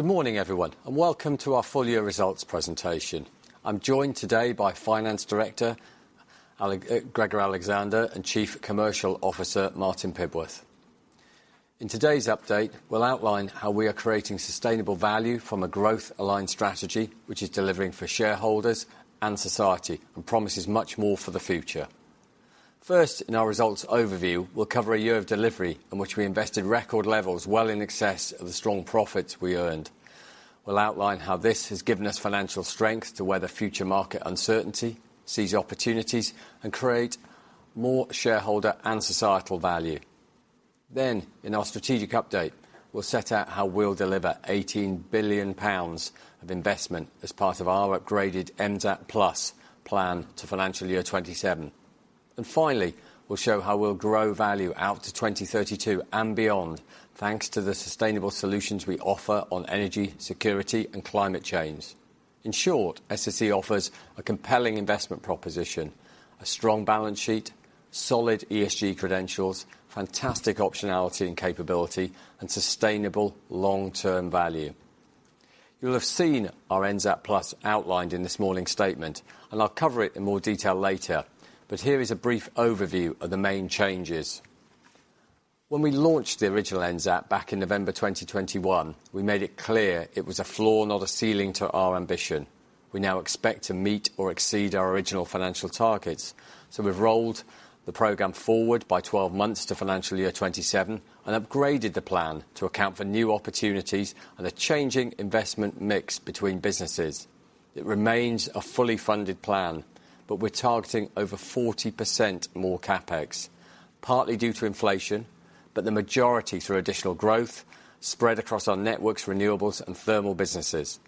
Good morning, everyone, and welcome to our full year results presentation. I'm joined today by Finance Director Gregor Alexander and Chief Commercial Officer Martin Pibworth. In today's update, we'll outline how we are creating sustainable value from a growth-aligned strategy, which is delivering for shareholders and society and promises much more for the future. First, in our results overview, we'll cover a year of delivery in which we invested record levels well in excess of the strong profits we earned. We'll outline how this has given us financial strength to weather future market uncertainty, seize opportunities, and create more shareholder and societal value. In our strategic update, we'll set out how we'll deliver 18 billion pounds of investment as part of our upgraded NZAP Plus plan to financial year 2027. Finally, we'll show how we'll grow value out to 2032 and beyond, thanks to the sustainable solutions we offer on energy, security, and climate change. In short, SSE offers a compelling investment proposition, a strong balance sheet, solid ESG credentials, fantastic optionality and capability, and sustainable long-term value. You'll have seen our NZAP Plus outlined in this morning's statement, and I'll cover it in more detail later. Here is a brief overview of the main changes. When we launched the original NZAP back in November 2021, we made it clear it was a floor, not a ceiling, to our ambition. We now expect to meet or exceed our original financial targets. We've rolled the program forward by 12 months to financial year '27 and upgraded the plan to account for new opportunities and a changing investment mix between businesses. It remains a fully funded plan, but we're targeting over 40% more CapEx, partly due to inflation, but the majority through additional growth spread across our networks, renewables, and thermal businesses.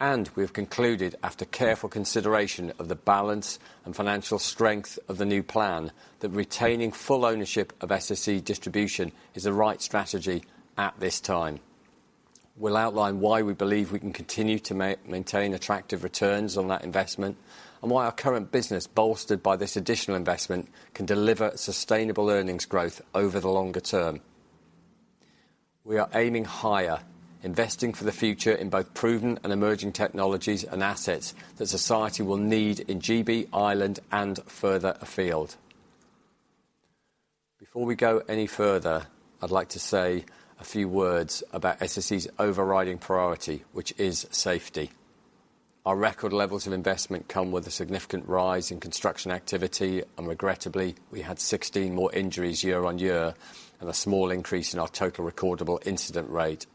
We have concluded, after careful consideration of the balance and financial strength of the new plan, that retaining full ownership of SSEN Distribution is the right strategy at this time. We'll outline why we believe we can continue to maintain attractive returns on that investment and why our current business, bolstered by this additional investment, can deliver sustainable earnings growth over the longer term. We are aiming higher, investing for the future in both proven and emerging technologies and assets that society will need in GB, Ireland, and further afield. Before we go any further, I'd like to say a few words about SSE's overriding priority, which is safety. Our record levels of investment come with a significant rise in construction activity, regrettably, we had 16 more injuries year-over-year and a small increase in our total recordable incident rate.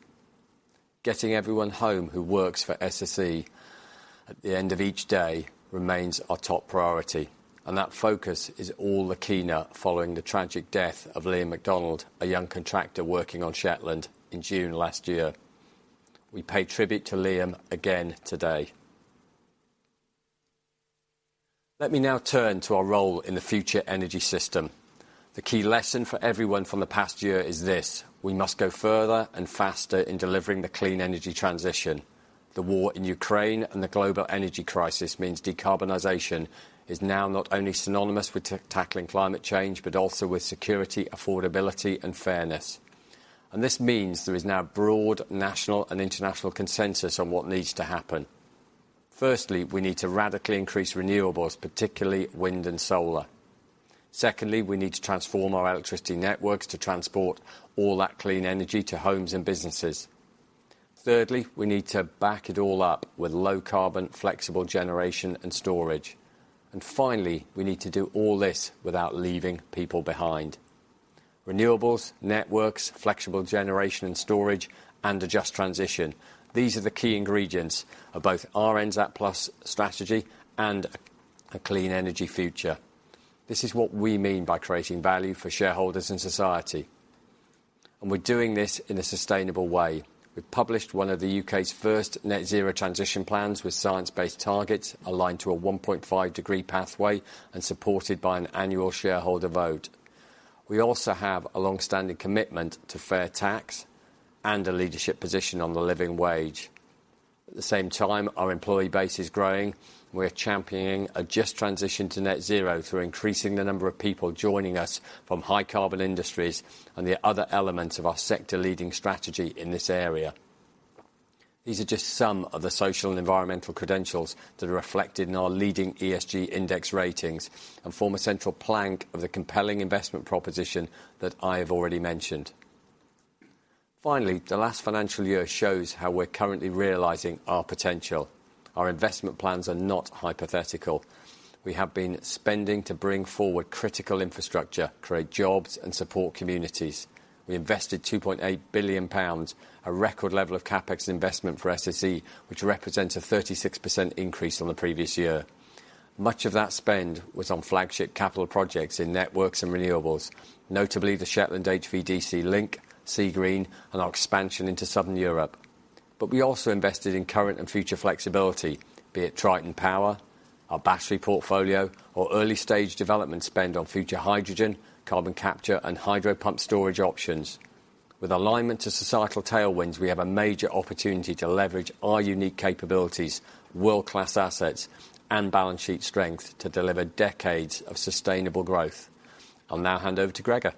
Getting everyone home who works for SSE at the end of each day remains our top priority, that focus is all the keener following the tragic death of Liam MacDonald, a young contractor working on Shetland in June last year. We pay tribute to Liam again today. Let me now turn to our role in the future energy system. The key lesson for everyone from the past year is this: we must go further and faster in delivering the clean energy transition. The war in Ukraine and the global energy crisis means decarbonization is now not only synonymous with tackling climate change, but also with security, affordability, and fairness. This means there is now broad national and international consensus on what needs to happen. Firstly, we need to radically increase renewables, particularly wind and solar. Secondly, we need to transform our electricity networks to transport all that clean energy to homes and businesses. Thirdly, we need to back it all up with low-carbon, flexible generation and storage. Finally, we need to do all this without leaving people behind. Renewables, networks, flexible generation and storage, and a just transition. These are the key ingredients of both our NZAP Plus strategy and a clean energy future. This is what we mean by creating value for shareholders in society, and we're doing this in a sustainable way. We've published one of the U.K.'s first net zero transition plans with science-based targets aligned to a 1.5 degree pathway and supported by an annual shareholder vote. We also have a long-standing commitment to fair tax and a leadership position on the living wage. At the same time, our employee base is growing. We're championing a just transition to net zero through increasing the number of people joining us from high-carbon industries and the other elements of our sector-leading strategy in this area. These are just some of the social and environmental credentials that are reflected in our leading ESG index ratings and form a central plank of the compelling investment proposition that I have already mentioned. Finally, the last financial year shows how we're currently realizing our potential. Our investment plans are not hypothetical. We have been spending to bring forward critical infrastructure to create jobs and support communities. We invested 2.8 billion pounds, a record level of CapEx investment for SSE, which represents a 36% increase on the previous year. Much of that spend was on flagship capital projects in networks and renewables, notably the Shetland HVDC link, Seagreen, and our expansion into Southern Europe. We also invested in current and future flexibility, be it Triton Power, our battery portfolio, or early-stage development spend on future hydrogen, carbon capture, and hydro pump storage options. With alignment to societal tailwinds, we have a major opportunity to leverage our unique capabilities, world-class assets, and balance sheet strength to deliver decades of sustainable growth. I'll now hand over to Gregor.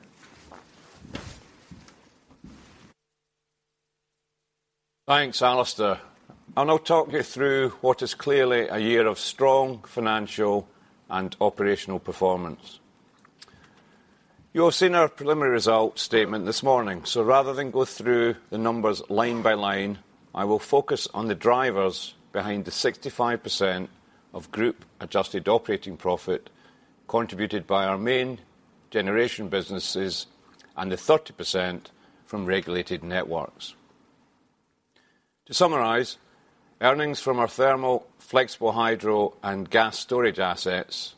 Thanks, Alistair. I'll talk you through what is clearly a year of strong financial and operational performance. You all seen our preliminary results statement this morning. Rather than go through the numbers line by line, I will focus on the drivers behind the 65% of group adjusted operating profit contributed by our main generation businesses and the 30% from regulated networks. To summarize, earnings from our thermal, flexible hydro, and gas storage assets,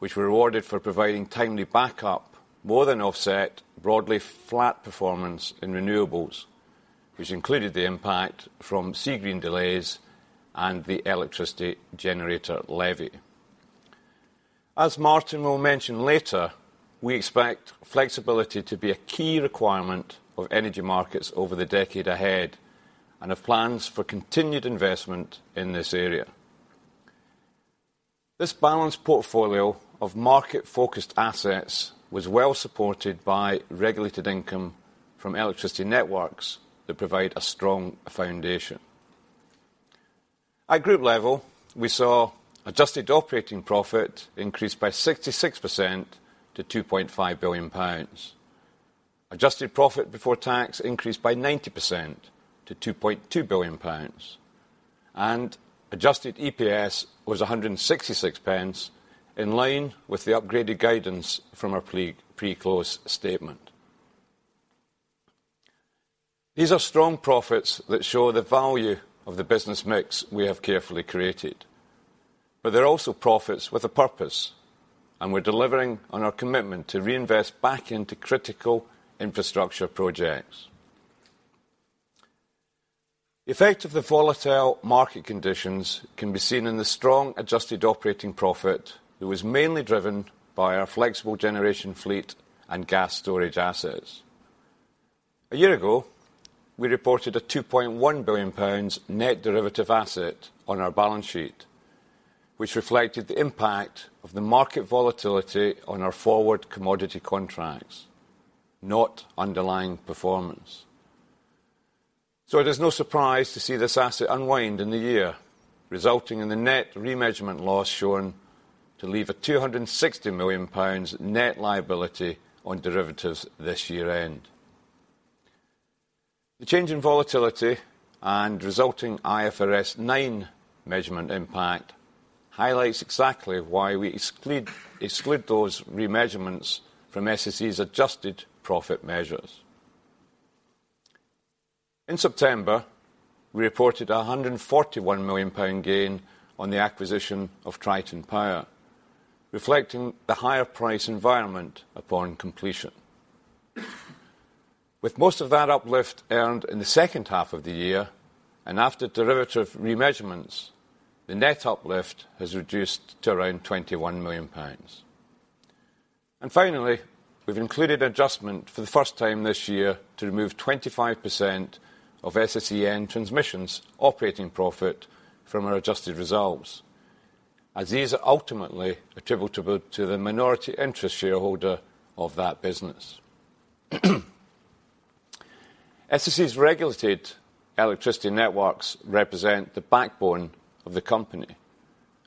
which were awarded for providing timely backup, more than offset broadly flat performance in renewables, which included the impact from Seagreen delays and the Electricity Generator Levy. As Martin will mention later, we expect flexibility to be a key requirement of energy markets over the decade ahead and have plans for continued investment in this area. This balanced portfolio of market-focused assets was well supported by regulated income from electricity networks that provide a strong foundation. At group level, we saw adjusted operating profit increased by 66% to 2.5 billion pounds. Adjusted profit before tax increased by 90% to 2.2 billion pounds. Adjusted EPS was 1.66 in line with the upgraded guidance from our pre-close statement. These are strong profits that show the value of the business mix we have carefully created. They're also profits with a purpose, and we're delivering on our commitment to reinvest back into critical infrastructure projects. The effect of the volatile market conditions can be seen in the strong adjusted operating profit that was mainly driven by our flexible generation fleet and gas storage assets. A year ago, we reported a 2.1 billion pounds net derivative asset on our balance sheet, which reflected the impact of the market volatility on our forward commodity contracts, not underlying performance. It is no surprise to see this asset unwind in the year, resulting in the net remeasurement loss shown to leave a 260 million pounds net liability on derivatives this year-end. The change in volatility and resulting IFRS 9 measurement impact highlights exactly why we exclude those remeasurements from SSE's adjusted profit measures. In September, we reported a 141 million pound gain on the acquisition of Triton Power, reflecting the higher price environment upon completion. With most of that uplift earned in the second half of the year and after derivative remeasurements, the net uplift has reduced to around 21 million pounds. Finally, we've included adjustment for the first time this year to remove 25% of SSEN Transmission operating profit from our adjusted results, as these are ultimately attributable to the minority interest shareholder of that business. SSE's regulated electricity networks represent the backbone of the company,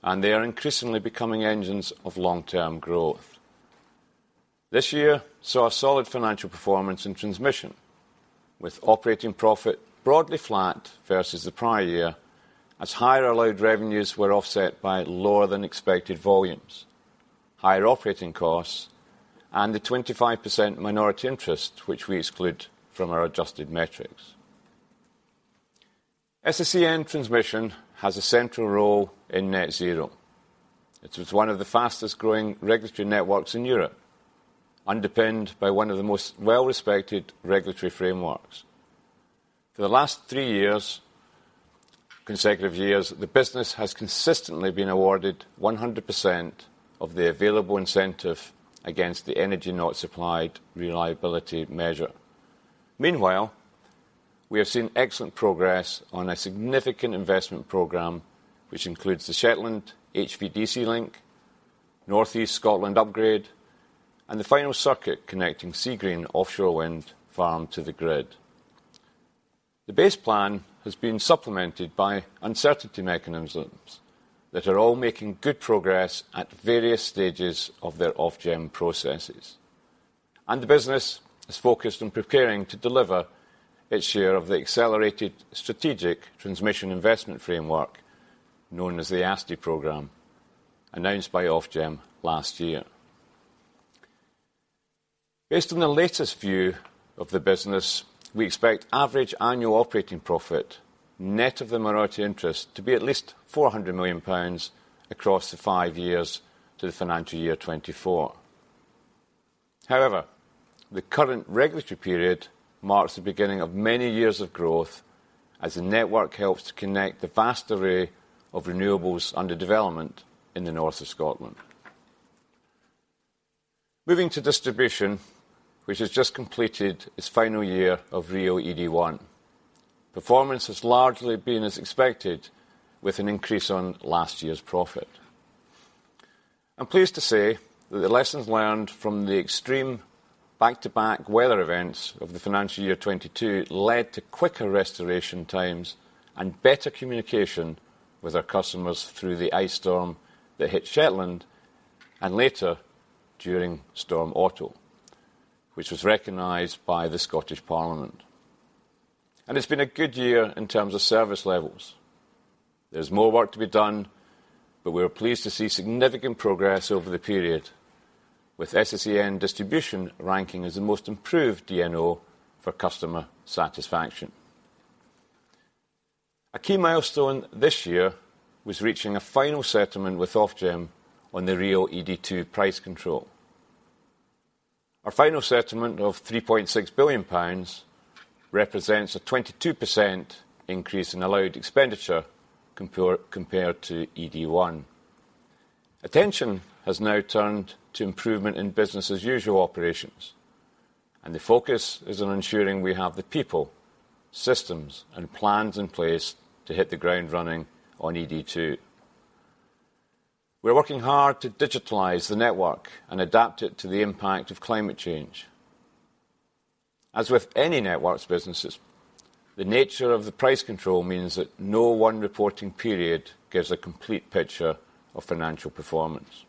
and they are increasingly becoming engines of long-term growth. This year saw a solid financial performance in Transmission, with operating profit broadly flat versus the prior year, as higher allowed revenues were offset by lower than expected volumes, higher operating costs, and the 25% minority interest which we exclude from our adjusted metrics. SSEN Transmission has a central role in net zero. It is one of the fastest-growing regulatory networks in Europe, underpinned by one of the most well-respected regulatory frameworks. For the last three years, consecutive years, the business has consistently been awarded 100% of the available incentive against the energy not supplied reliability measure. Meanwhile, we have seen excellent progress on a significant investment program, which includes the Shetland HVDC link, northeast Scotland upgrade, and the final circuit connecting Seagreen offshore wind farm to the grid. The base plan has been supplemented by uncertainty mechanisms that are all making good progress at various stages of their Ofgem processes. The business is focused on preparing to deliver its share of the accelerated strategic transmission investment framework, known as the ASTI program, announced by Ofgem last year. Based on the latest view of the business, we expect average annual operating profit net of the minority interest to be at least 400 million pounds across the five years to the financial year 2024. However, the current regulatory period marks the beginning of many years of growth as the network helps to connect the vast array of renewables under development in the north of Scotland. Moving to distribution, which has just completed its final year of RIIO-ED1. Performance has largely been as expected with an increase on last year's profit. I'm pleased to say that the lessons learned from the extreme back-to-back weather events of the financial year 2022 led to quicker restoration times and better communication with our customers through the ice storm that hit Shetland and later during Storm Otto, which was recognized by the Scottish Parliament. It's been a good year in terms of service levels. There's more work to be done, but we are pleased to see significant progress over the period, with SSEN Distribution ranking as the most improved DNO for customer satisfaction. A key milestone this year was reaching a final settlement with Ofgem on the RIIO-ED2 price control. Our final settlement of 3.6 billion pounds represents a 22% increase in allowed expenditure compared to ED1. Attention has now turned to improvement in business-as-usual operations, the focus is on ensuring we have the people, systems, and plans in place to hit the ground running on ED2. We're working hard to digitalize the network and adapt it to the impact of climate change. As with any networks businesses, the nature of the price control means that no one reporting period gives a complete picture of financial performance.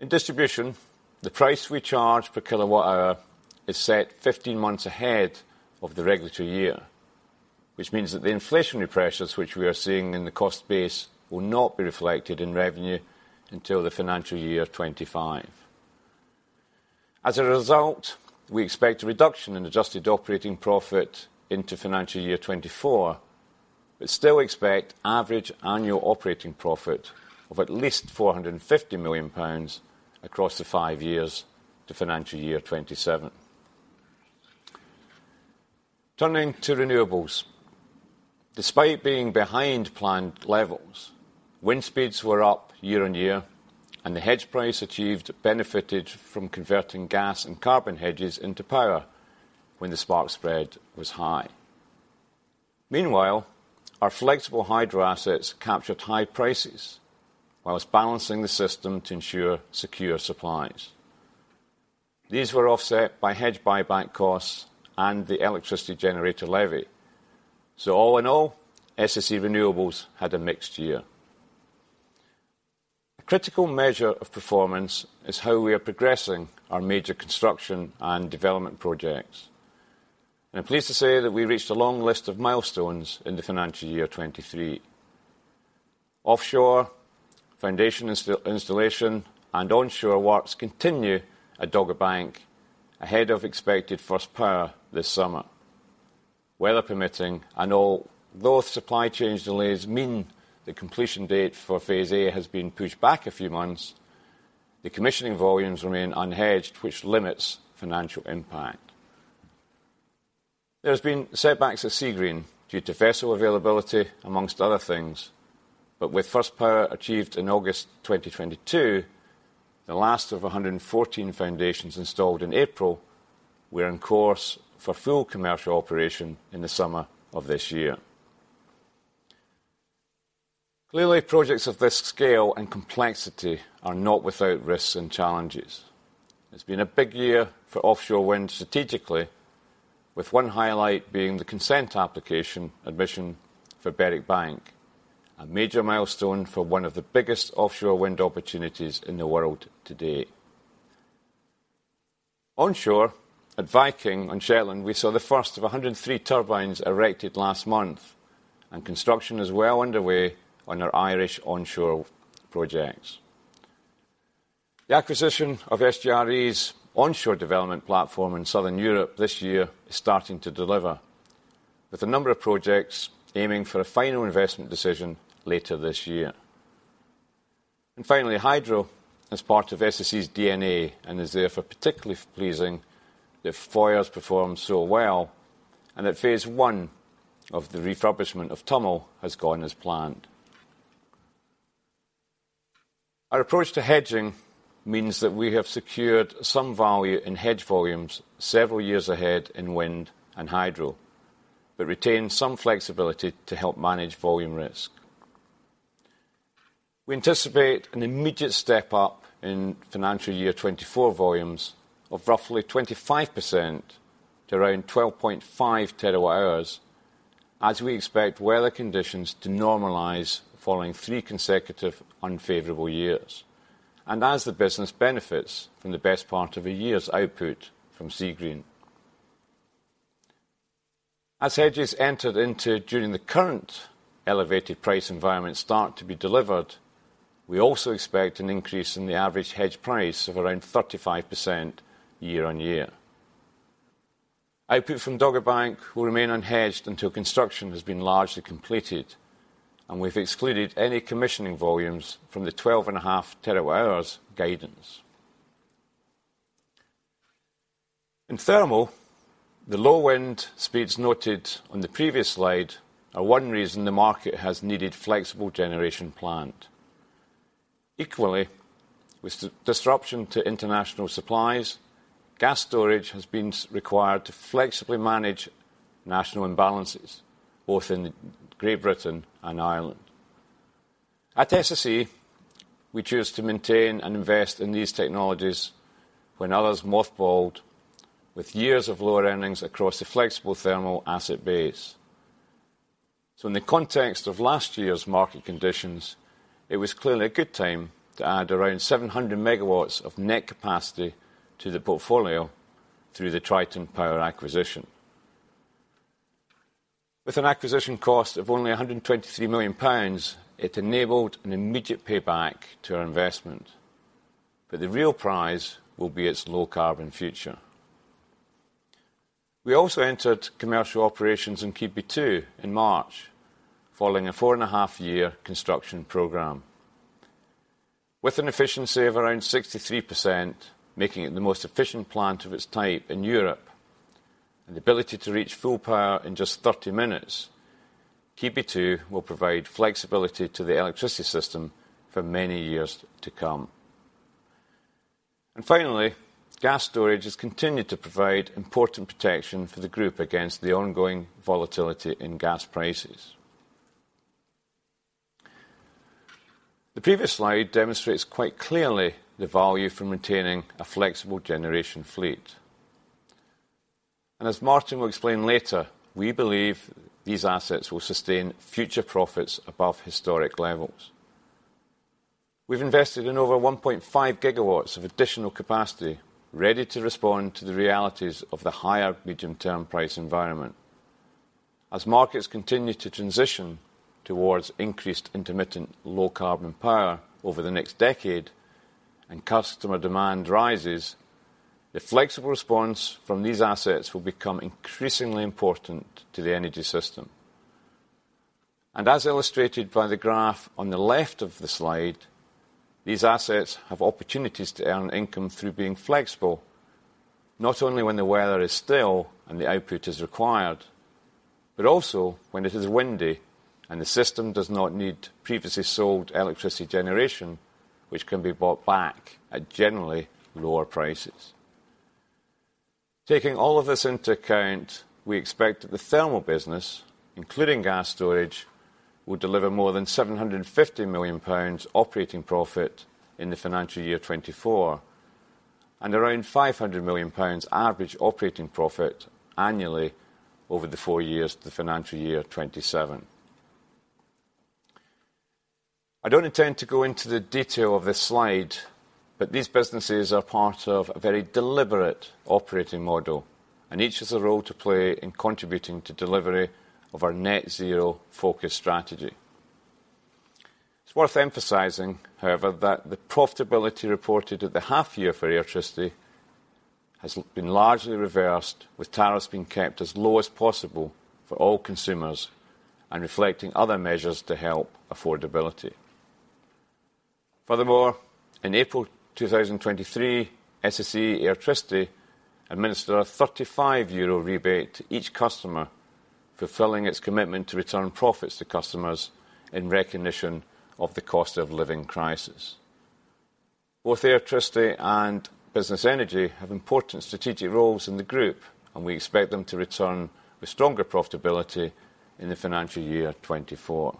In distribution, the price we charge per kilowatt-hour is set 15 months ahead of the regulatory year, which means that the inflationary pressures which we are seeing in the cost base will not be reflected in revenue until the financial year 2025. As a result, we expect a reduction in adjusted operating profit into financial year 2024, but still expect average annual operating profit of at least 450 million pounds across the five years to financial year 2027. Turning to renewables, despite being behind planned levels, wind speeds were up year-on-year, and the hedge price achieved benefited from converting gas and carbon hedges into power when the spark spread was high. Meanwhile, our flexible hydro assets captured high prices whilst balancing the system to ensure secure supplies. These were offset by hedge buyback costs and the electricity generator levy. All in all, SSE Renewables had a mixed year. A critical measure of performance is how we are progressing our major construction and development projects. I'm pleased to say that we reached a long list of milestones in the financial year 2023. Offshore foundation installation and onshore works continue at Dogger Bank ahead of expected first power this summer. Weather permitting and all, though supply chain delays mean the completion date for phase A has been pushed back a few months, the commissioning volumes remain unhedged, which limits financial impact. There has been setbacks at Seagreen due to vessel availability, amongst other things. With first power achieved in August 2022, the last of 114 foundations installed in April, we're on course for full commercial operation in the summer of this year. Clearly, projects of this scale and complexity are not without risks and challenges. It's been a big year for offshore wind strategically, with one highlight being the consent application admission for Berwick Bank, a major milestone for one of the biggest offshore wind opportunities in the world today. Onshore, at Viking on Shetland, we saw the first of 103 turbines erected last month, and construction is well underway on our Irish onshore projects. The acquisition of SGRE's onshore development platform in Southern Europe this year is starting to deliver, with a number of projects aiming for a final investment decision later this year. Finally, Hydro is part of SSE's DNA, and is therefore particularly pleasing that Foyers performed so well and that phase one of the refurbishment of Tummel has gone as planned. Our approach to hedging means that we have secured some value in hedge volumes several years ahead in wind and hydro, but retained some flexibility to help manage volume risk. We anticipate an immediate step up in financial year 2024 volumes of roughly 25% to around 12.5 TWh, as we expect weather conditions to normalize following three consecutive unfavorable years, and as the business benefits from the best part of a year's output from Seagreen. As hedges entered into during the current elevated price environment start to be delivered, we also expect an increase in the average hedge price of around 35% year-on-year. Output from Dogger Bank will remain unhedged until construction has been largely completed, and we've excluded any commissioning volumes from the 12.5 TWh guidance. In thermal, the low wind speeds noted on the previous slide are one reason the market has needed flexible generation plant. Equally, with the disruption to international supplies, gas storage has been required to flexibly manage national imbalances, both in Great Britain and Ireland. At SSE, we choose to maintain and invest in these technologies when others mothballed with years of lower earnings across the flexible thermal asset base. In the context of last year's market conditions, it was clearly a good time to add around 700 MW of net capacity to the portfolio through the Triton Power acquisition. With an acquisition cost of only 123 million pounds, it enabled an immediate payback to our investment. The real prize will be its low-carbon future. We also entered commercial operations in Keadby 2 in March, following a four-and-a-half-year construction program. With an efficiency of around 63%, making it the most efficient plant of its type in Europe, and the ability to reach full power in just 30 minutes, Keadby 2 will provide flexibility to the electricity system for many years to come. Finally, gas storage has continued to provide important protection for the group against the ongoing volatility in gas prices. The previous slide demonstrates quite clearly the value from maintaining a flexible generation fleet. As Martin will explain later, we believe these assets will sustain future profits above historic levels. We've invested in over 1.5 GW of additional capacity, ready to respond to the realities of the higher medium-term price environment. As markets continue to transition towards increased intermittent low-carbon power over the next decade, and customer demand rises, the flexible response from these assets will become increasingly important to the energy system. As illustrated by the graph on the left of the slide, these assets have opportunities to earn income through being flexible, not only when the weather is still and the output is required, but also when it is windy and the system does not need previously sold electricity generation, which can be bought back at generally lower prices. Taking all of this into account, we expect that the thermal business, including gas storage, will deliver more than 750 million pounds operating profit in the financial year 2024, and around 500 million pounds average operating profit annually over the four years to the financial year 2027. I don't intend to go into the detail of this slide, but these businesses are part of a very deliberate operating model, and each has a role to play in contributing to delivery of our net zero focus strategy. It's worth emphasizing, however, that the profitability reported at the half year for Airtricity has been largely reversed, with tariffs being kept as low as possible for all consumers and reflecting other measures to help affordability. In April 2023, SSE Airtricity administered a 35 euro rebate to each customer, fulfilling its commitment to return profits to customers in recognition of the cost of living crisis. Both Airtricity and SSE Business Energy have important strategic roles in the group, and we expect them to return with stronger profitability in the financial year 2024.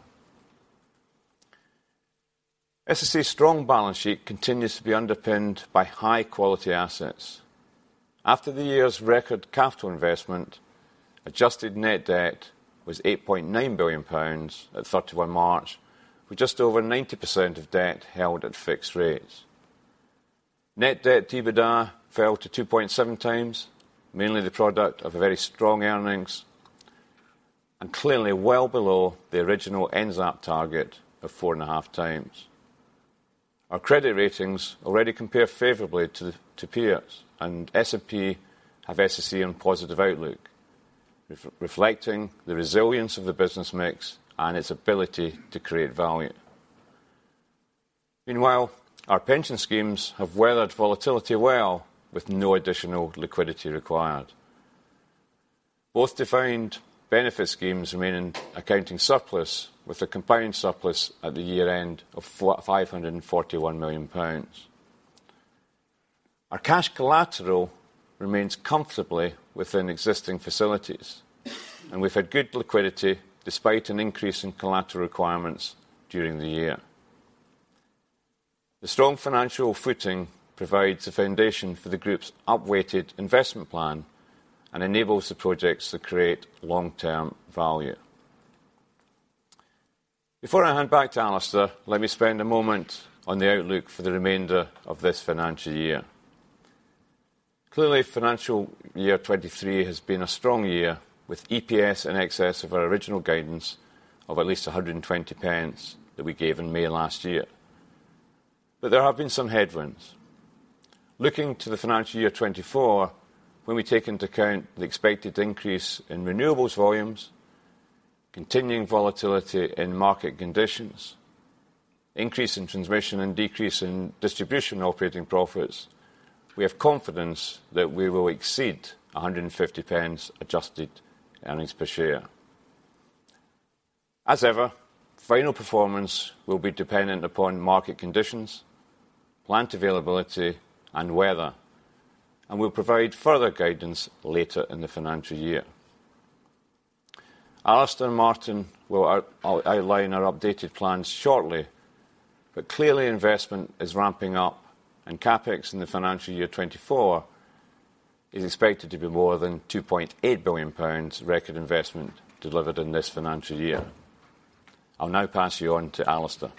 SSE's strong balance sheet continues to be underpinned by high-quality assets. After the year's record capital investment, adjusted net debt was 8.9 billion pounds at 31 March, with just over 90% of debt held at fixed rates. Net debt to EBITDA fell to 2.7x, mainly the product of a very strong earnings, clearly well below the original NZAP target of 4.5x. Our credit ratings already compare favorably to peers, S&P have SSE on positive outlook, reflecting the resilience of the business mix and its ability to create value. Meanwhile, our pension schemes have weathered volatility well, with no additional liquidity required. Both defined benefit schemes remain in accounting surplus, with a combined surplus at the year-end of 541 million pounds. Our cash collateral remains comfortably within existing facilities, we've had good liquidity despite an increase in collateral requirements during the year. The strong financial footing provides a foundation for the group's upweighted investment plan and enables the projects to create long-term value. Before I hand back to Alistair, let me spend a moment on the outlook for the remainder of this financial year. Clearly, financial year 2023 has been a strong year, with EPS in excess of our original guidance of at least 120 pence that we gave in May of last year. There have been some headwinds. Looking to the financial year 2024, when we take into account the expected increase in renewables volumes, continuing volatility in market conditions, increase in transmission and decrease in distribution operating profits, we have confidence that we will exceed 150 pounds pence adjusted earnings per share. As ever, final performance will be dependent upon market conditions, plant availability, and weather. We'll provide further guidance later in the financial year. Alistair Martin will outline our updated plans shortly, but clearly investment is ramping up, and CapEx in the financial year 2024 is expected to be more than 2.8 billion pounds record investment delivered in this financial year. I'll now pass you on to Alistair.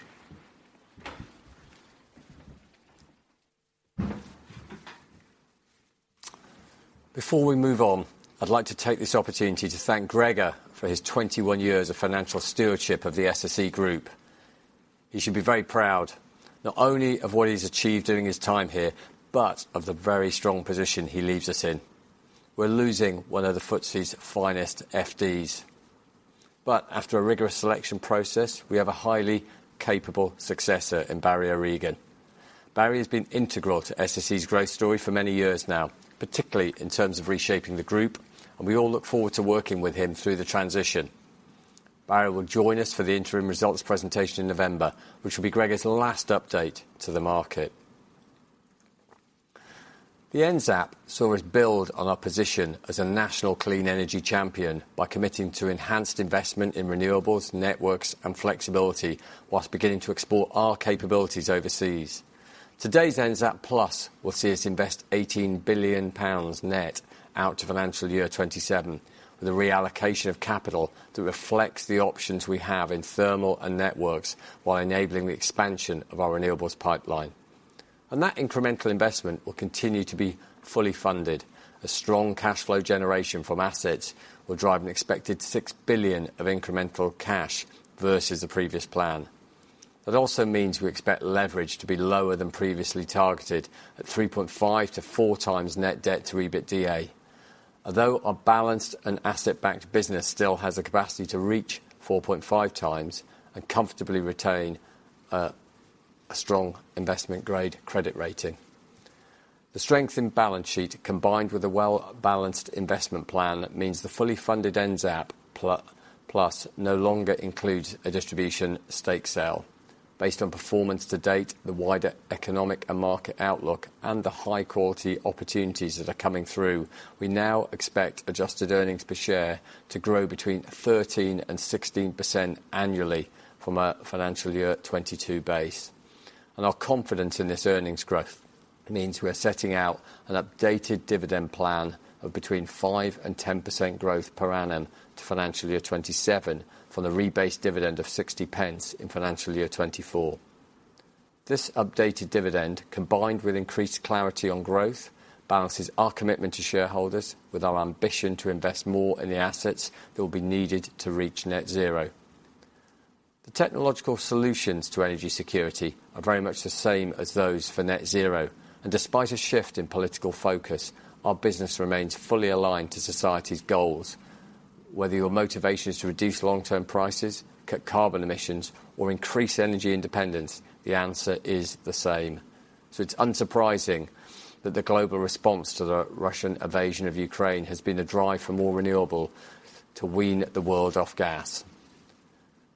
Before we move on, I'd like to take this opportunity to thank Gregor for his 21 years of financial stewardship of the SSE Group. He should be very proud, not only of what he's achieved during his time here, but of the very strong position he leaves us in. We're losing one of the FTSE's finest FD's. After a rigorous selection process, we have a highly capable successor in Barry O'Regan. Barry has been integral to SSE's growth story for many years now, particularly in terms of reshaping the group, and we all look forward to working with him through the transition. Barry will join us for the interim results presentation in November, which will be Gregor's last update to the market. The NZAP saw us build on our position as a national clean energy champion by committing to enhanced investment in renewables, networks, and flexibility, while beginning to explore our capabilities overseas. Today's NZAP Plus will see us invest 18 billion pounds net out to financial year 2027, with a reallocation of capital that reflects the options we have in thermal and networks, while enabling the expansion of our renewables pipeline. That incremental investment will continue to be fully funded, as strong cash flow generation from assets will drive an expected 6 billion of incremental cash versus the previous plan. That also means we expect leverage to be lower than previously targeted, at 3.5x-4x net debt to EBITDA. Although our balanced and asset-backed business still has the capacity to reach 4.5x and comfortably retain a strong investment grade credit rating. The strength and balance sheet, combined with a well-balanced investment plan, means the fully funded NZAP Plus no longer includes a distribution stake sale. Based on performance to date, the wider economic and market outlook, and the high-quality opportunities that are coming through, we now expect adjusted earnings per share to grow between 13% and 16% annually from a financial year 2022 base. Our confidence in this earnings growth means we're setting out an updated dividend plan of between 5% and 10% growth per annum to financial year 2027 from the rebased dividend of 0.60 in financial year 2024. This updated dividend, combined with increased clarity on growth, balances our commitment to shareholders with our ambition to invest more in the assets that will be needed to reach net zero. The technological solutions to energy security are very much the same as those for net zero, and despite a shift in political focus, our business remains fully aligned to society's goals. Whether your motivation is to reduce long-term prices, cut carbon emissions, or increase energy independence, the answer is the same. It's unsurprising that the global response to the Russian invasion of Ukraine has been a drive for more renewable to wean the world off gas.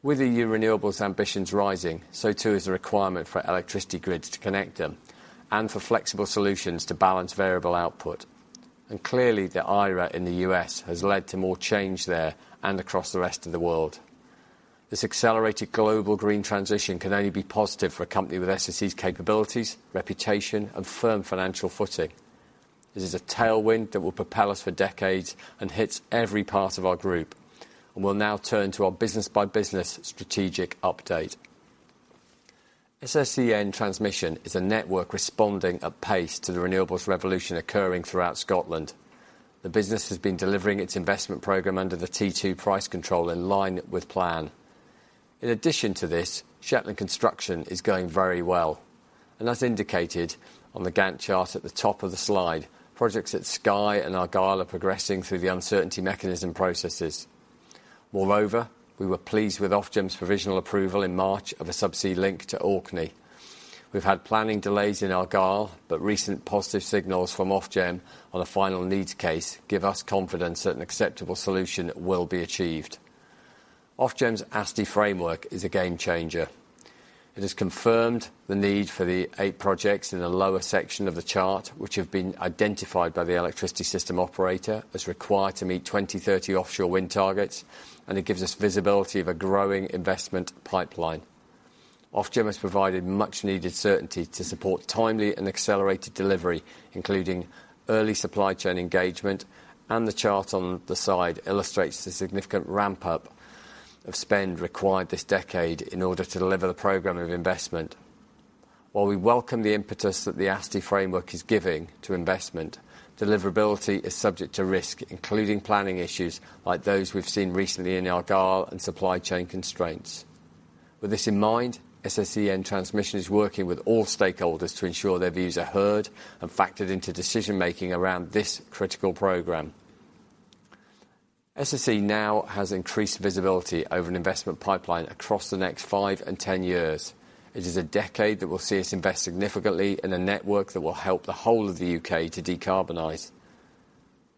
With the new renewables ambitions rising, so too is the requirement for electricity grids to connect them and for flexible solutions to balance variable output. Clearly the IRA in the U.S. has led to more change there and across the rest of the world. This accelerated global green transition can only be positive for a company with SSE's capabilities, reputation, and firm financial footing. This is a tailwind that will propel us for decades and hits every part of our group. We'll now turn to our business by business strategic update. SSEN Transmission is a network responding apace to the renewables revolution occurring throughout Scotland. The business has been delivering its investment program under the T2 price control in line with plan. In addition to this, Shetland construction is going very well. As indicated on the Gantt chart at the top of the slide, projects at Skye and Argyll are progressing through the uncertainty mechanism processes. Moreover, we were pleased with Ofgem's provisional approval in March of a sub-sea link to Orkney. We've had planning delays in Argyll, but recent positive signals from Ofgem on a final needs case give us confidence that an acceptable solution will be achieved. Ofgem's ASTI framework is a game changer. It has confirmed the need for the eight projects in the lower section of the chart, which have been identified by the electricity system operator as required to meet 2030 offshore wind targets. It gives us visibility of a growing investment pipeline. Ofgem has provided much-needed certainty to support timely and accelerated delivery, including early supply chain engagement. The chart on the side illustrates the significant ramp up of spend required this decade in order to deliver the program of investment. While we welcome the impetus that the ASTI framework is giving to investment, deliverability is subject to risk, including planning issues like those we've seen recently in Argyll and supply chain constraints. With this in mind, SSEN Transmission is working with all stakeholders to ensure their views are heard and factored into decision-making around this critical program. SSE now has increased visibility over an investment pipeline across the next five and 10 years. It is a decade that will see us invest significantly in a network that will help the whole of the U.K. to decarbonize.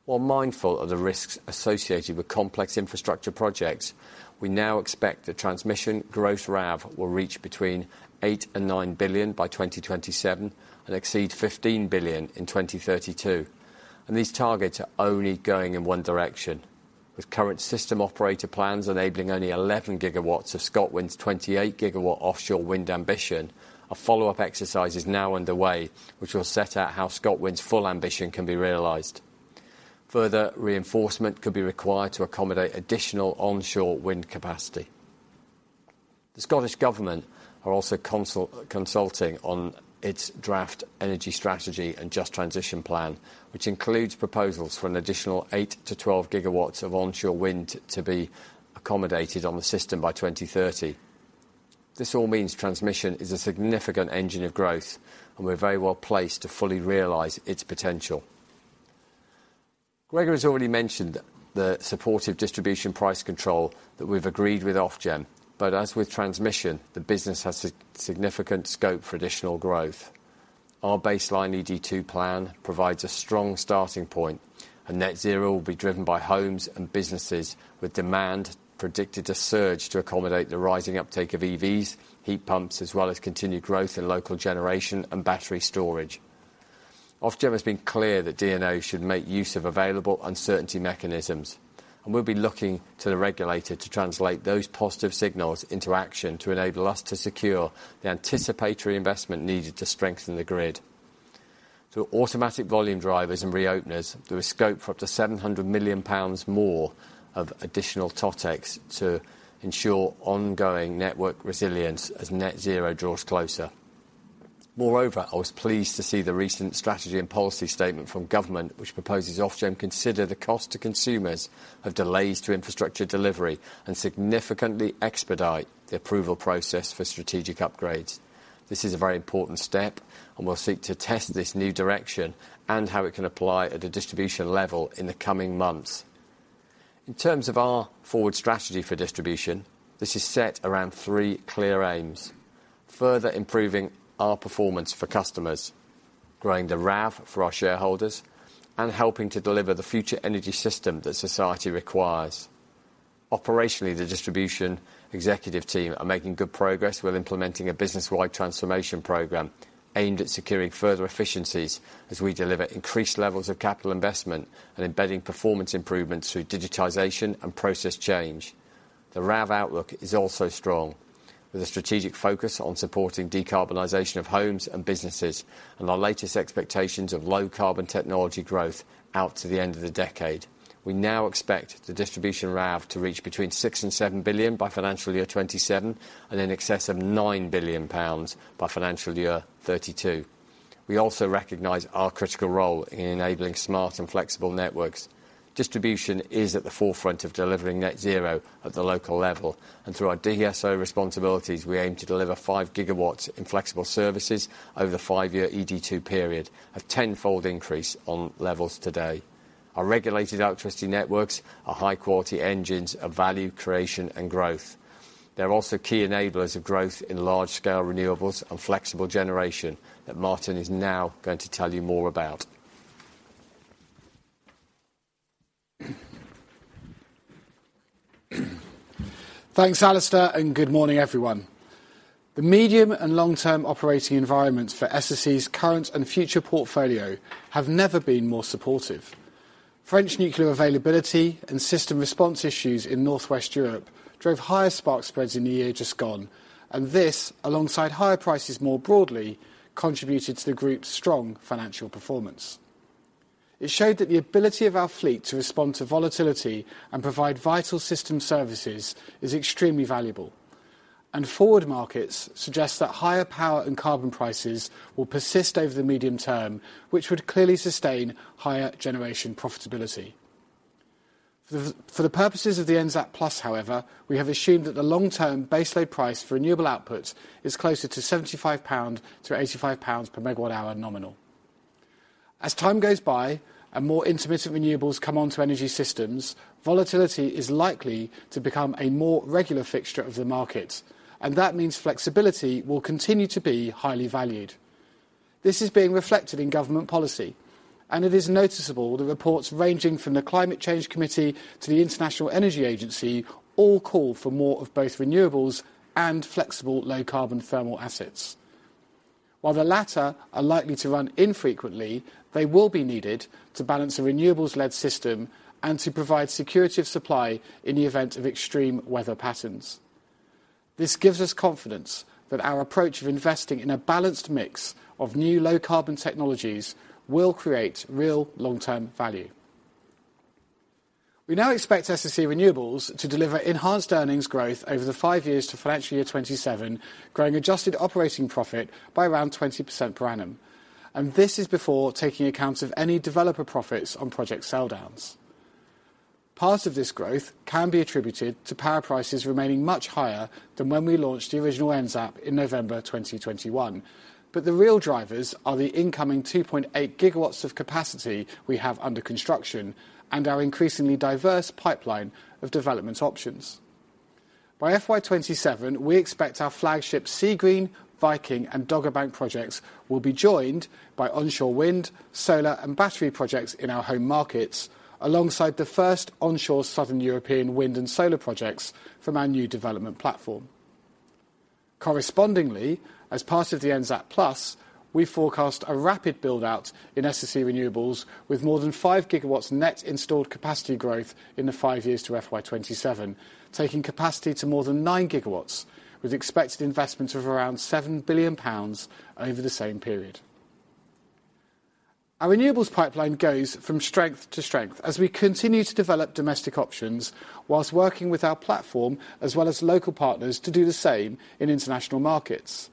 While mindful of the risks associated with complex infrastructure projects, we now expect the transmission growth RAV will reach between 8 billion and 9 billion by 2027, and exceed 15 billion in 2032. These targets are only going in one direction. With current system operator plans enabling only 11 GW of ScotWind's 28 GW offshore wind ambition, a follow-up exercise is now underway, which will set out how ScotWind's full ambition can be realized. Further reinforcement could be required to accommodate additional onshore wind capacity. The Scottish government are also consulting on its draft energy strategy and just transition plan, which includes proposals for an additional 8 to 12 GW of onshore wind to be accommodated on the system by 2030. This all means transmission is a significant engine of growth, and we're very well placed to fully realize its potential. Gregor has already mentioned the supportive distribution price control that we've agreed with Ofgem. As with transmission, the business has significant scope for additional growth. Our baseline ED2 plan provides a strong starting point, and net zero will be driven by homes and businesses with demand predicted to surge to accommodate the rising uptake of EVs, heat pumps, as well as continued growth in local generation and battery storage. Ofgem has been clear that DNO should make use of available uncertainty mechanisms. We'll be looking to the regulator to translate those positive signals into action to enable us to secure the anticipatory investment needed to strengthen the grid. Through automatic volume drivers and reopeners, there is scope for up to 700 million pounds more of additional TotEx to ensure ongoing network resilience as net zero draws closer. Moreover, I was pleased to see the recent strategy and policy statement from government, which proposes Ofgem consider the cost to consumers of delays to infrastructure delivery and significantly expedite the approval process for strategic upgrades. This is a very important step. We'll seek to test this new direction and how it can apply at a distribution level in the coming months. In terms of our forward strategy for distribution, this is set around three clear aims: further improving our performance for customers, growing the RAV for our shareholders, and helping to deliver the future energy system that society requires. Operationally, the distribution executive team are making good progress with implementing a business-wide transformation program aimed at securing further efficiencies as we deliver increased levels of capital investment and embedding performance improvements through digitization and process change. The RAV outlook is also strong with a strategic focus on supporting decarbonization of homes and businesses, and our latest expectations of low carbon technology growth out to the end of the decade. We now expect the distribution RAV to reach between 6 billion and 7 billion by financial year 27, and in excess of 9 billion pounds by financial year 32. We also recognize our critical role in enabling smart and flexible networks. Distribution is at the forefront of delivering net zero at the local level, through our DSO responsibilities, we aim to deliver 5 GW in flexible services over the 5-year ED2 period, a tenfold increase on levels today. Our regulated electricity networks are high-quality engines of value, creation, and growth. They're also key enablers of growth in large-scale renewables and flexible generation that Martin is now going to tell you more about. Thanks, Alistair, good morning, everyone. The medium and long-term operating environments for SSE's current and future portfolio have never been more supportive. French nuclear availability and system response issues in Northwest Europe drove higher spark spreads in the year just gone, this, alongside higher prices more broadly, contributed to the group's strong financial performance. It showed that the ability of our fleet to respond to volatility and provide vital system services is extremely valuable. Forward markets suggest that higher power and carbon prices will persist over the medium term, which would clearly sustain higher generation profitability. For the purposes of the NZAP Plus, however, we have assumed that the long-term base load price for renewable output is closer to 75-85 pound per megawatt hour nominal. As time goes by, more intermittent renewables come onto energy systems, volatility is likely to become a more regular fixture of the market, and that means flexibility will continue to be highly valued. This is being reflected in government policy. It is noticeable the reports ranging from the Climate Change Committee to the International Energy Agency all call for more of both renewables and flexible low-carbon thermal assets. While the latter are likely to run infrequently, they will be needed to balance a renewables-led system and to provide security of supply in the event of extreme weather patterns. This gives us confidence that our approach of investing in a balanced mix of new low-carbon technologies will create real long-term value. We now expect SSE Renewables to deliver enhanced earnings growth over the five years to financial year 2027, growing adjusted operating profit by around 20% per annum. This is before taking accounts of any developer profits on project sell downs. Part of this growth can be attributed to power prices remaining much higher than when we launched the original NZAP in November 2021. The real drivers are the incoming 2.8 GW of capacity we have under construction and our increasingly diverse pipeline of development options. By FY 2027, we expect our flagship Seagreen, Viking, and Dogger Bank projects will be joined by onshore wind, solar, and battery projects in our home markets, alongside the first onshore Southern European wind and solar projects from our new development platform. Correspondingly, as part of the NZAP Plus, we forecast a rapid build-out in SSE Renewables with more than 5 GW net installed capacity growth in the five years to FY 2027, taking capacity to more than 9 GW, with expected investments of around 7 billion pounds over the same period. Our renewables pipeline goes from strength to strength as we continue to develop domestic options whilst working with our platform, as well as local partners, to do the same in international markets.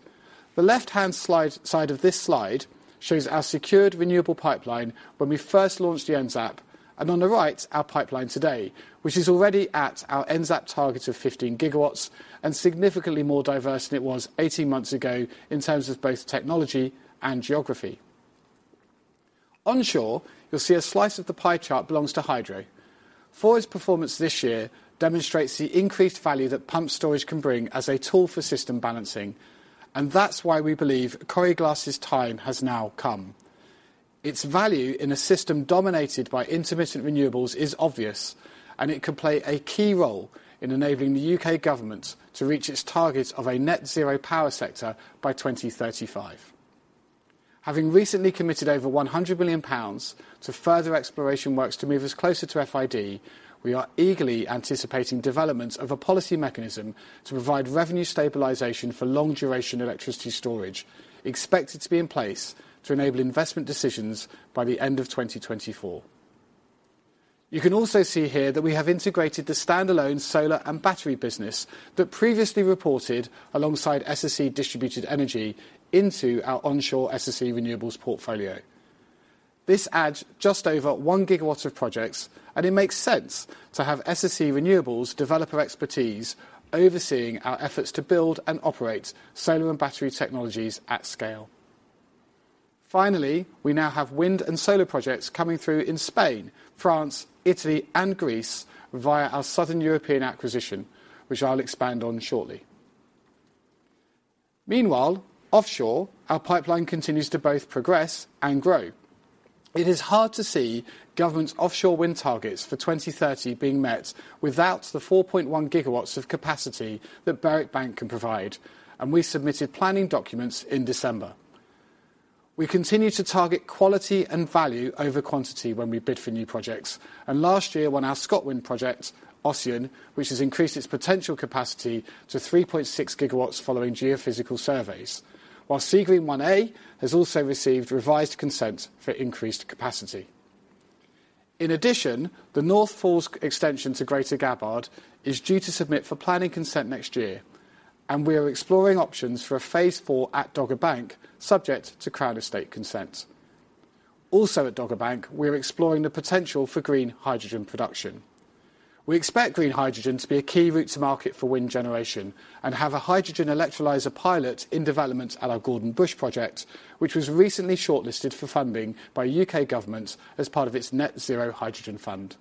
The left-hand slide, side of this slide shows our secured renewable pipeline when we first launched the NZAP, and on the right, our pipeline today, which is already at our NZAP target of 15 GW and significantly more diverse than it was 18 months ago in terms of both technology and geography. Onshore, you'll see a slice of the pie chart belongs to hydro. Foyers' performance this year demonstrates the increased value that pump storage can bring as a tool for system balancing, and that's why we believe Coire Glas' time has now come. Its value in a system dominated by intermittent renewables is obvious, and it could play a key role in enabling the U.K. government to reach its target of a net zero power sector by 2035. Having recently committed over 100 billion pounds to further exploration works to move us closer to FID, we are eagerly anticipating development of a policy mechanism to provide revenue stabilization for long duration electricity storage, expected to be in place to enable investment decisions by the end of 2024. You can also see here that we have integrated the standalone solar and battery business that previously reported alongside SSE Distributed Energy into our onshore SSE Renewables portfolio. This adds just over 1 GW of projects. It makes sense to have SSE Renewables developer expertise overseeing our efforts to build and operate solar and battery technologies at scale. Finally, we now have wind and solar projects coming through in Spain, France, Italy, and Greece via our Southern European acquisition, which I'll expand on shortly. Meanwhile, offshore, our pipeline continues to both progress and grow. It is hard to see government's offshore wind targets for 2030 being met without the 4.1 GW of capacity that Berwick Bank can provide. We submitted planning documents in December. We continue to target quality and value over quantity when we bid for new projects. Last year won our ScotWind project, Ossian, which has increased its potential capacity to 3.6 GW following geophysical surveys. While Seagreen 1A has also received revised consent for increased capacity. In addition, the North Falls extension to Greater Gabbard is due to submit for planning consent next year, and we are exploring options for a phase four at Dogger Bank, subject to Crown Estate consent. Also at Dogger Bank, we are exploring the potential for green hydrogen production. We expect green hydrogen to be a key route to market for wind generation and have a hydrogen electrolyzer pilot in development at our Gordonbush project, which was recently shortlisted for funding by U.K. government as part of its Net Zero Hydrogen Fund.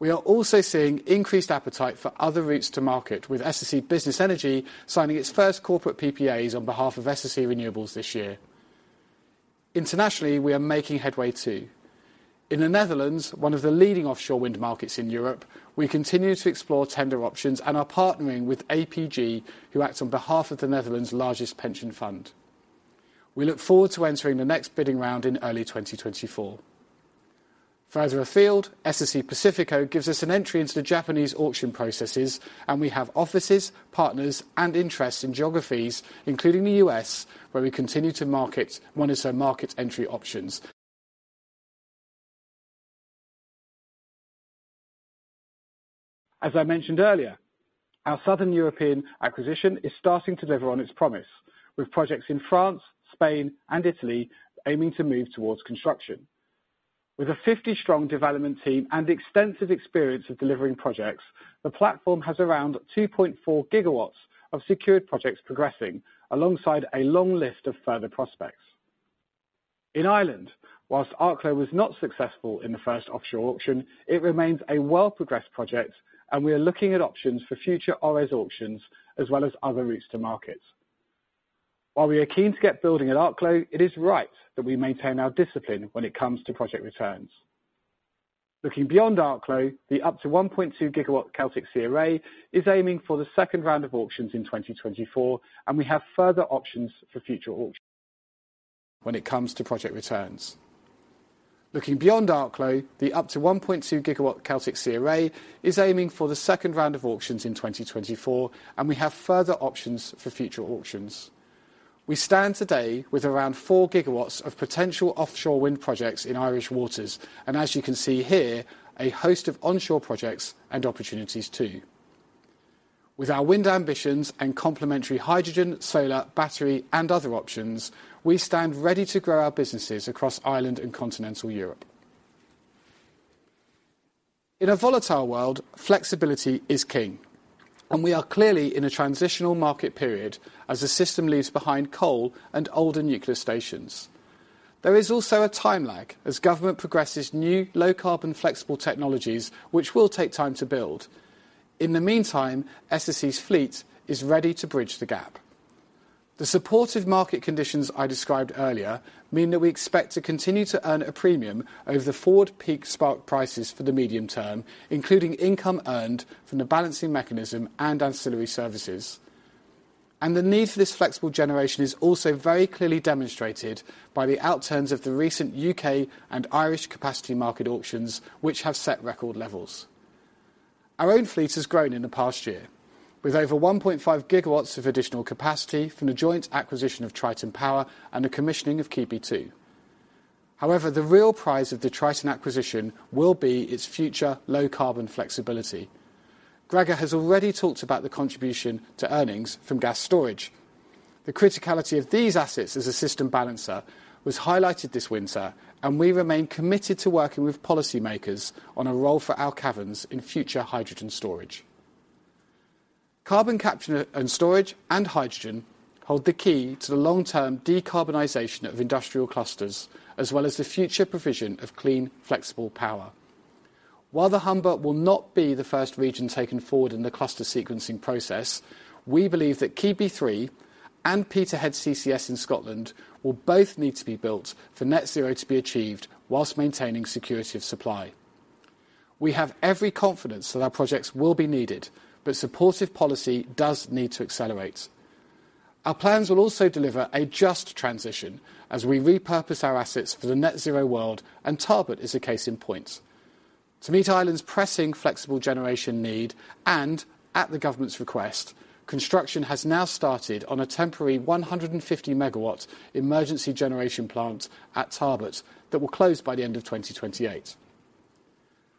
We are also seeing increased appetite for other routes to market, with SSE Business Energy signing its first corporate PPAs on behalf of SSE Renewables this year. Internationally, we are making headway too. In the Netherlands, one of the leading offshore wind markets in Europe, we continue to explore tender options and are partnering with APG, who acts on behalf of the Netherlands largest pension fund. We look forward to entering the next bidding round in early 2024. Further afield, SSE Pacifico gives us an entry into the Japanese auction processes, and we have offices, partners, and interests in geographies, including the U.S., where we continue to market monitor market entry options. As I mentioned earlier, our Southern European acquisition is starting to deliver on its promise, with projects in France, Spain, and Italy aiming to move towards construction. With a 50 strong development team and extensive experience of delivering projects, the platform has around 2.4 GW of secured projects progressing alongside a long list of further prospects. In Ireland, while Arklow was not successful in the first offshore auction, it remains a well-progressed project and we are looking at options for future ORESS auctions as well as other routes to markets. While we are keen to get building at Arklow, it is right that we maintain our discipline when it comes to project returns. Looking beyond Arklow, the up to 1.2 GW Celtic Sea array is aiming for the second round of auctions in 2024, and we have further options for future auctions when it comes to project returns. We stand today with around 4 GW of potential offshore wind projects in Irish waters. As you can see here, a host of onshore projects and opportunities too. With our wind ambitions and complementary hydrogen, solar, battery, and other options, we stand ready to grow our businesses across Ireland and continental Europe. In a volatile world, flexibility is king. We are clearly in a transitional market period as the system leaves behind coal and older nuclear stations. There is also a time lag as government progresses new low-carbon flexible technologies, which will take time to build. In the meantime, SSE's fleet is ready to bridge the gap. The supportive market conditions I described earlier mean that we expect to continue to earn a premium over the forward peak spark prices for the medium term, including income earned from the balancing mechanism and ancillary services. The need for this flexible generation is also very clearly demonstrated by the out-turns of the recent U.K. and Irish capacity market auctions, which have set record levels. Our own fleet has grown in the past year with over 1.5 GW of additional capacity from the joint acquisition of Triton Power and the commissioning of Keadby 2. However, the real prize of the Triton acquisition will be its future low carbon flexibility. Gregor has already talked about the contribution to earnings from gas storage. The criticality of these assets as a system balancer was highlighted this winter, and we remain committed to working with policymakers on a role for our caverns in future hydrogen storage. Carbon capture and storage and hydrogen hold the key to the long-term decarbonization of industrial clusters, as well as the future provision of clean, flexible power. While the Humber will not be the first region taken forward in the cluster sequencing process, we believe that Keadby 3 and Peterhead CCS in Scotland will both need to be built for net zero to be achieved whilst maintaining security of supply. Supportive policy does need to accelerate. Our plans will also deliver a just transition as we repurpose our assets for the net zero world. Tarbert is a case in point. To meet Ireland's pressing flexible generation need and at the government's request, construction has now started on a temporary 150 MW emergency generation plant at Tarbert that will close by the end of 2028.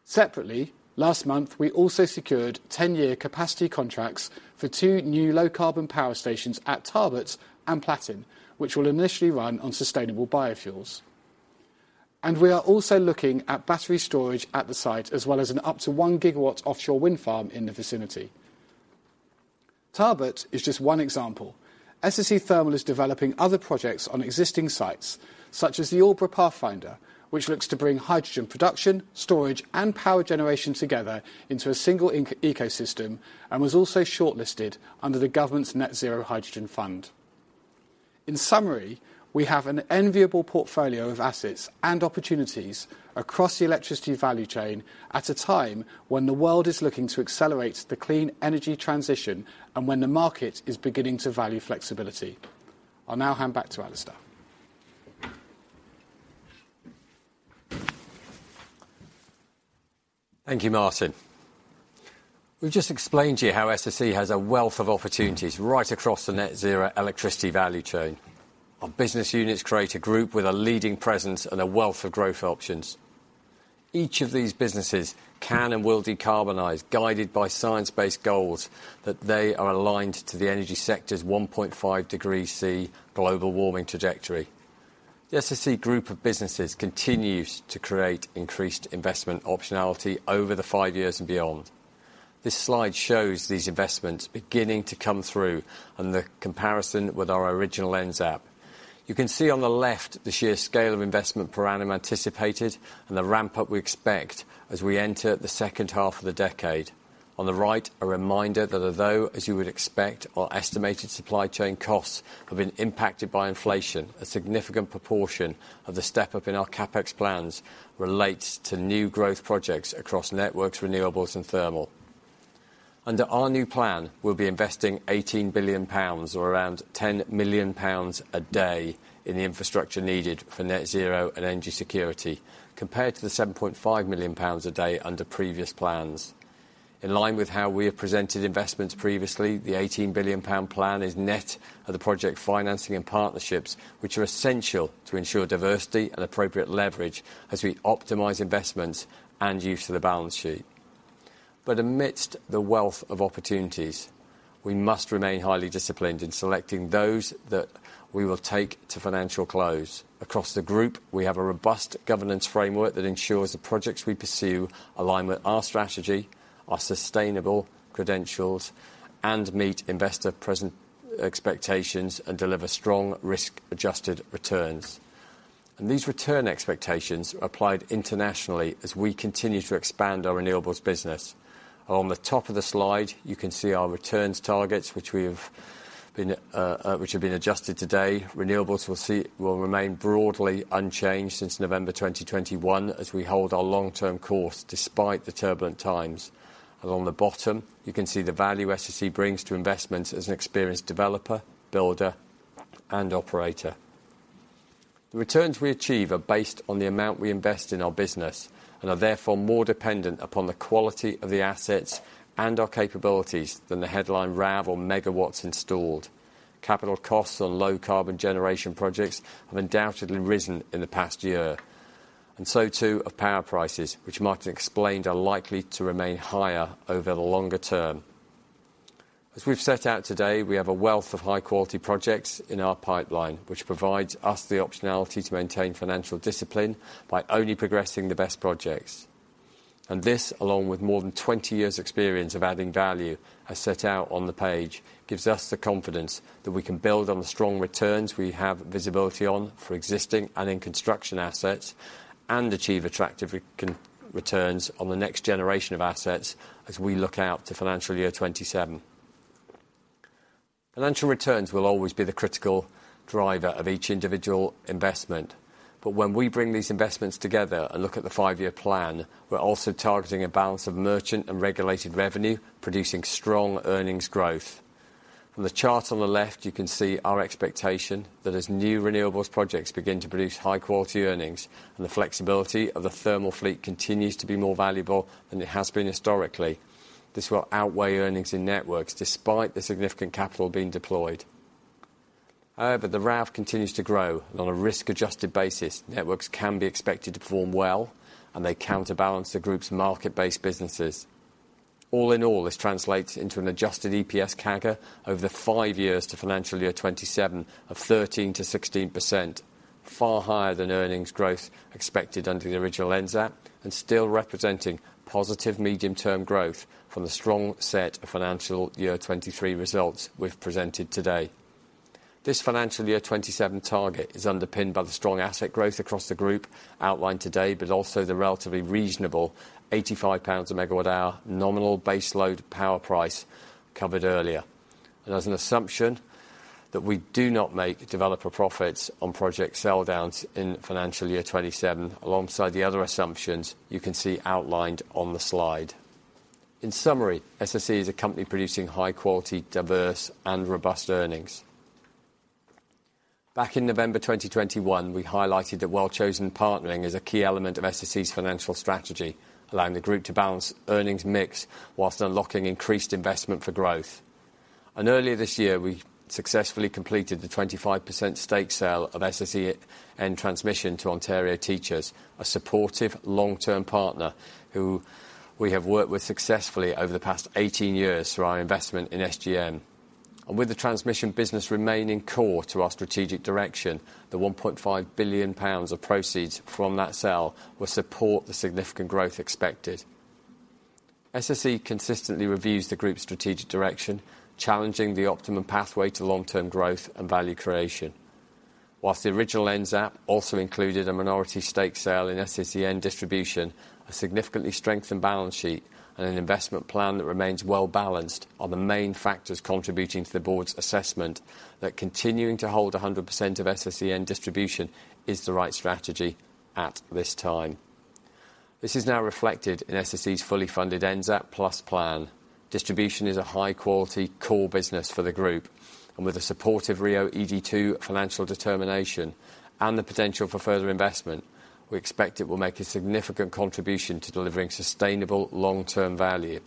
Separately, last month, we also secured 10-year capacity contracts for two new low-carbon power stations at Tarbert and Platin, which will initially run on sustainable biofuels. We are also looking at battery storage at the site, as well as an up to 1 GW offshore wind farm in the vicinity. Tarbert is just one example. SSE Thermal is developing other projects on existing sites such as the Aldbrough Hydrogen Pathfinder, which looks to bring hydrogen production, storage, and power generation together into a single ecosystem and was also shortlisted under the government's Net Zero Hydrogen Fund. In summary, we have an enviable portfolio of assets and opportunities across the electricity value chain at a time when the world is looking to accelerate the clean energy transition and when the market is beginning to value flexibility. I'll now hand back to Alistair. Thank you, Martin. We've just explained to you how SSE has a wealth of opportunities right across the net zero electricity value chain. Our business units create a group with a leading presence and a wealth of growth options. Each of these businesses can and will decarbonize, guided by science-based goals that they are aligned to the energy sector's 1.5 degrees C global warming trajectory. The SSE group of businesses continues to create increased investment optionality over the five years and beyond. This slide shows these investments beginning to come through and the comparison with our original NZAP. You can see on the left the sheer scale of investment per annum anticipated and the ramp-up we expect as we enter the second half of the decade. On the right, a reminder that although, as you would expect, our estimated supply chain costs have been impacted by inflation, a significant proportion of the step-up in our CapEx plans relates to new growth projects across networks, renewables, and thermal. Under our new plan, we'll be investing 18 billion pounds or around 10 million pounds a day in the infrastructure needed for net zero and energy security, compared to the 7.5 million pounds a day under previous plans. In line with how we have presented investments previously, the 18 billion pound plan is net of the project financing and partnerships, which are essential to ensure diversity and appropriate leverage as we optimize investments and use of the balance sheet. Amidst the wealth of opportunities, we must remain highly disciplined in selecting those that we will take to financial close. Across the group, we have a robust governance framework that ensures the projects we pursue align with our strategy, are sustainable credentials, and meet investor present expectations and deliver strong risk-adjusted returns. These return expectations are applied internationally as we continue to expand our renewables business. Along the top of the slide, you can see our returns targets, which have been adjusted today. Renewables will remain broadly unchanged since November 2021 as we hold our long-term course despite the turbulent times. Along the bottom, you can see the value SSE brings to investments as an experienced developer, builder, and operator. The returns we achieve are based on the amount we invest in our business and are therefore more dependent upon the quality of the assets and our capabilities than the headline RAV or megawatts installed. Capital costs on low-carbon generation projects have undoubtedly risen in the past year, and so too have power prices, which Martin explained are likely to remain higher over the longer term. As we've set out today, we have a wealth of high-quality projects in our pipeline, which provides us the optionality to maintain financial discipline by only progressing the best projects. This, along with more than 20 years experience of adding value, as set out on the page, gives us the confidence that we can build on the strong returns we have visibility on for existing and in construction assets, and achieve attractive returns on the next generation of assets as we look out to financial year 2027. Financial returns will always be the critical driver of each individual investment. When we bring these investments together and look at the five-year plan, we're also targeting a balance of merchant and regulated revenue, producing strong earnings growth. On the chart on the left, you can see our expectation that as new renewables projects begin to produce high-quality earnings, and the flexibility of the thermal fleet continues to be more valuable than it has been historically, this will outweigh earnings in networks, despite the significant capital being deployed. However, the RAV continues to grow on a risk-adjusted basis. Networks can be expected to perform well, and they counterbalance the group's market-based businesses. All in all, this translates into an adjusted EPS CAGR over the five years to financial year 27 of 13%-16%, far higher than earnings growth expected under the original NZAP, and still representing positive medium-term growth from the strong set of financial year 23 results we've presented today. This financial year 27 target is underpinned by the strong asset growth across the group outlined today, but also the relatively reasonable GBP 85 a MWh nominal base load power price covered earlier. As an assumption that we do not make developer profits on project sell downs in financial year 27, alongside the other assumptions you can see outlined on the slide. In summary, SSE is a company producing high-quality, diverse and robust earnings. Back in November 2021, we highlighted that well-chosen partnering is a key element of SSE's financial strategy, allowing the group to balance earnings mix whilst unlocking increased investment for growth. Earlier this year, we successfully completed the 25% stake sale of SSEN Transmission to Ontario Teachers, a supportive long-term partner who we have worked with successfully over the past 18 years through our investment in SGN. With the transmission business remaining core to our strategic direction, the 1.5 billion pounds of proceeds from that sale will support the significant growth expected. SSE consistently reviews the group's strategic direction, challenging the optimum pathway to long-term growth and value creation. The original NZAP also included a minority stake sale in SSEN Distribution, a significantly strengthened balance sheet and an investment plan that remains well-balanced are the main factors contributing to the board's assessment that continuing to hold 100% of SSEN Distribution is the right strategy at this time. This is now reflected in SSE's fully funded NZAP Plus plan. Distribution is a high-quality core business for the group, and with the support of RIIO-ED2 financial determination and the potential for further investment, we expect it will make a significant contribution to delivering sustainable long-term value.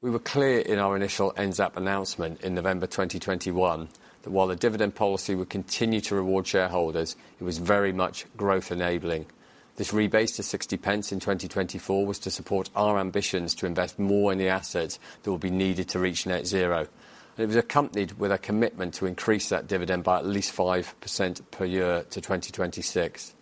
We were clear in our initial NZAP announcement in November 2021 that while the dividend policy would continue to reward shareholders, it was very much growth enabling. This rebase to 0.60 in 2024 was to support our ambitions to invest more in the assets that will be needed to reach net zero. It was accompanied with a commitment to increase that dividend by at least 5% per year to 2026.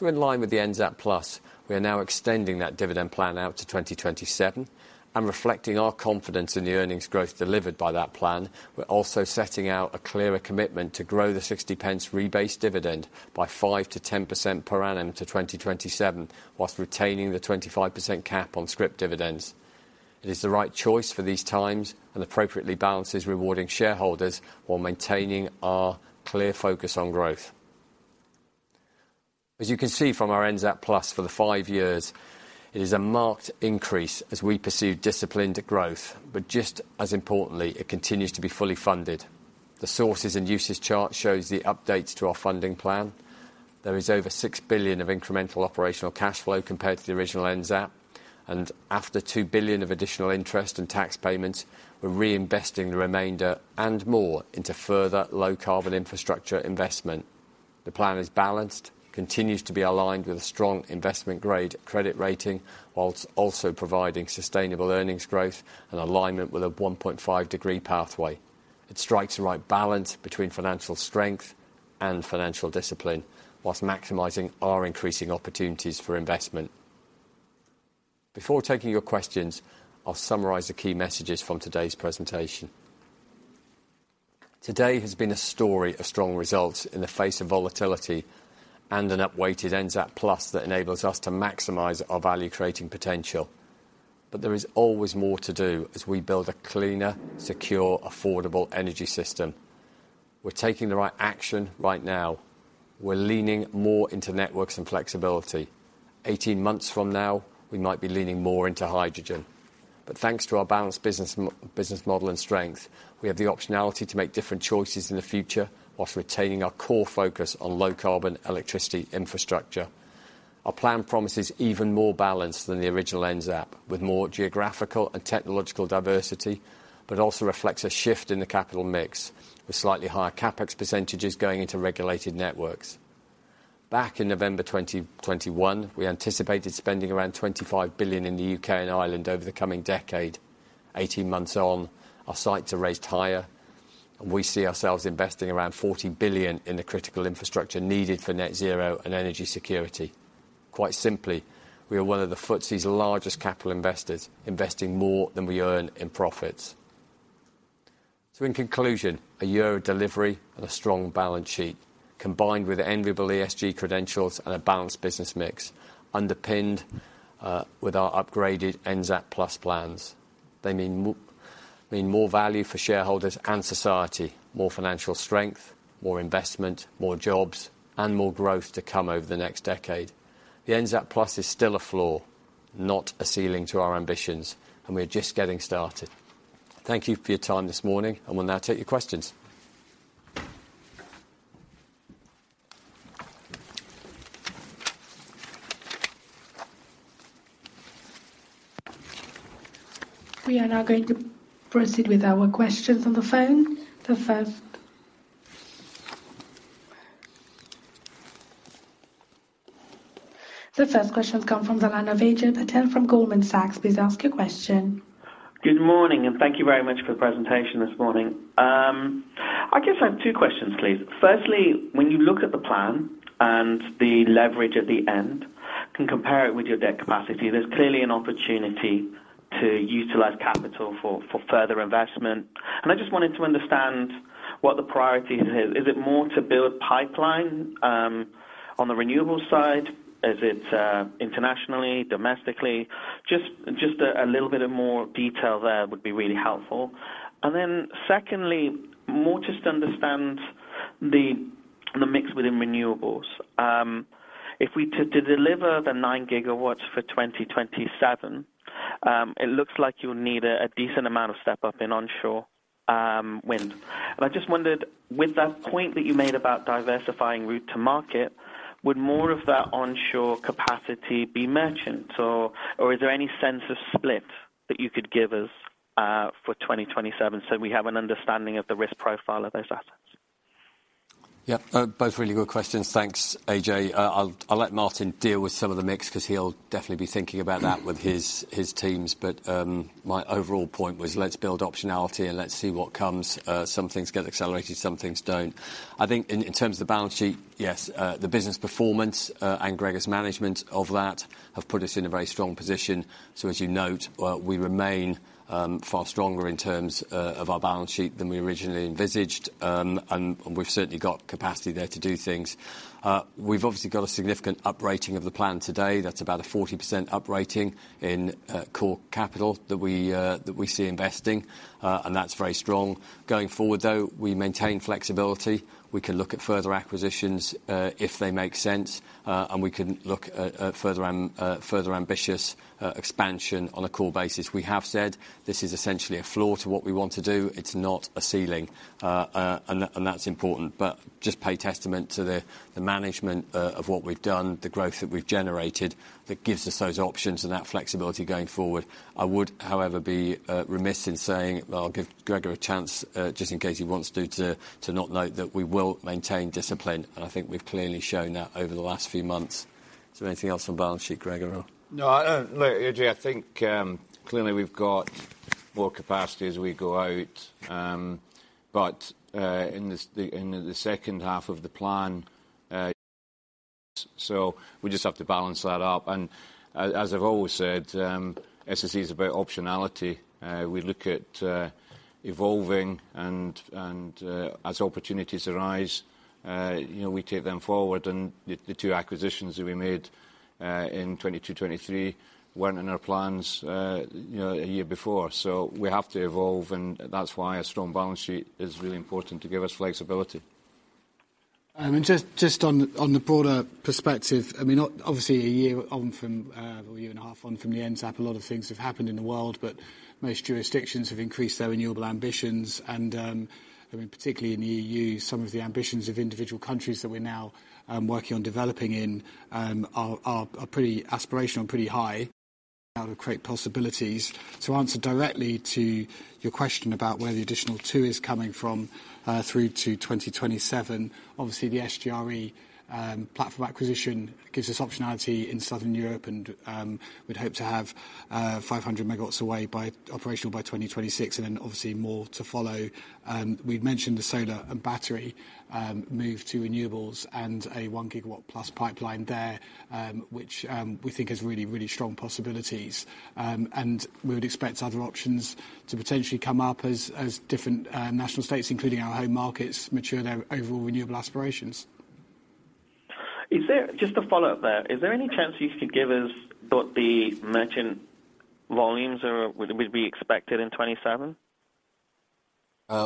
In line with the NZAP Plus, we are now extending that dividend plan out to 2027 and reflecting our confidence in the earnings growth delivered by that plan. We're also setting out a clearer commitment to grow the 0.60 rebased dividend by 5%-10% per annum to 2027, whilst retaining the 25% cap on script dividends. It is the right choice for these times and appropriately balances rewarding shareholders while maintaining our clear focus on growth. As you can see from our NZAP Plus for the five years, it is a marked increase as we pursue disciplined growth. Just as importantly, it continues to be fully funded. The sources and uses chart shows the updates to our funding plan. There is over 6 billion of incremental operational cash flow compared to the original NZAP. After 2 billion of additional interest and tax payments, we're reinvesting the remainder and more into further low carbon infrastructure investment. The plan is balanced, continues to be aligned with a strong investment-grade credit rating, whilst also providing sustainable earnings growth and alignment with a 1.5 degree pathway. It strikes the right balance between financial strength and financial discipline, whilst maximizing our increasing opportunities for investment. Before taking your questions, I'll summarize the key messages from today's presentation. Today has been a story of strong results in the face of volatility and an upweighted NZAP Plus that enables us to maximize our value-creating potential. There is always more to do as we build a cleaner, secure, affordable energy system. We're taking the right action right now. We're leaning more into networks and flexibility. 18 months from now, we might be leaning more into hydrogen. Thanks to our balanced business model and strength, we have the optionality to make different choices in the future, whilst retaining our core focus on low carbon electricity infrastructure. Our plan promises even more balance than the original NZAP, with more geographical and technological diversity, but also reflects a shift in the capital mix, with slightly higher CapEx percentages going into regulated networks. Back in November 2021, we anticipated spending around 25 billion in the U.K. and Ireland over the coming decade. 18 months on, our sights are raised higher. We see ourselves investing around 40 billion in the critical infrastructure needed for net zero and energy security. Quite simply, we are one of the FTSE's largest capital investors, investing more than we earn in profits. In conclusion, a year of delivery and a strong balance sheet, combined with enviable ESG credentials and a balanced business mix, underpinned with our upgraded NZAP Plus plans. They mean more value for shareholders and society, more financial strength, more investment, more jobs, and more growth to come over the next decade. The NZAP Plus is still a floor, not a ceiling to our ambitions, and we're just getting started. Thank you for your time this morning, and we'll now take your questions. We are now going to proceed with our questions on the phone. The first question come from the Ajay Patel from Goldman Sachs. Please ask your question. Good morning, thank you very much for the presentation this morning. I guess I have two questions, please. Firstly, when you look at the plan and the leverage at the end, can compare it with your debt capacity. There's clearly an opportunity to utilize capital for further investment. I just wanted to understand what the priority is. Is it more to build pipeline on the renewable side? Is it internationally, domestically? Just a little bit of more detail there would be really helpful. Secondly, more just to understand the mix within renewables. If we to deliver the 9 GW for 2027, it looks like you'll need a decent amount of step up in onshore wind. I just wondered, with that point that you made about diversifying route to market, would more of that onshore capacity be merchant, or is there any sense of split that you could give us for 2027, so we have an understanding of the risk profile of those assets? Both really good questions. Thanks, AJ. I'll let Martin deal with some of the mix 'cause he'll definitely be thinking about that with his teams. My overall point was let's build optionality, and let's see what comes. Some things get accelerated, some things don't. I think in terms of the balance sheet, yes, the business performance, and Gregor's management of that have put us in a very strong position. As you note, we remain far stronger in terms of our balance sheet than we originally envisaged. And we've certainly got capacity there to do things. We've obviously got a significant uprating of the plan today. That's about a 40% uprating in core capital that we see investing, and that's very strong. Going forward, though, we maintain flexibility. We can look at further acquisitions if they make sense, and we can look at further ambitious expansion on a core basis. We have said this is essentially a floor to what we want to do. It's not a ceiling. And that's important, but just pay testament to the management of what we've done, the growth that we've generated that gives us those options and that flexibility going forward. I would, however, be remiss in saying, well, I'll give Gregor a chance just in case he wants to note that we will maintain discipline, and I think we've clearly shown that over the last few months. Is there anything else on balance sheet, Gregor? No, I don't. Look, AJ, I think, clearly we've got more capacity as we go out, but in the second half of the plan, we just have to balance that up. As I've always said, SSE is about optionality. We look at evolving and as opportunities arise, you know, we take them forward. The two acquisitions that we made in 2022-2023 weren't in our plans, you know, a year before. We have to evolve, and that's why a strong balance sheet is really important to give us flexibility. Just on the broader perspective, obviously a year on from, or a year and a half on from the NZAP, a lot of things have happened in the world. Most jurisdictions have increased their renewable ambitions and, particularly in the EU, some of the ambitions of individual countries that we're now working on developing in are pretty aspirational and pretty high. How to create possibilities. To answer directly to your question about where the additional two is coming from, through to 2027, obviously the SGRE platform acquisition gives us optionality in Southern Europe and we'd hope to have 500 MW away by operational by 2026 and then obviously more to follow. We've mentioned the solar and battery move to renewables and a 1 GW plus pipeline there, which we think has really, really strong possibilities. We would expect other options to potentially come up as different national states, including our home markets, mature their overall renewable aspirations. Just to follow up there, is there any chance you could give us what the merchant volumes are, would be expected in 2027?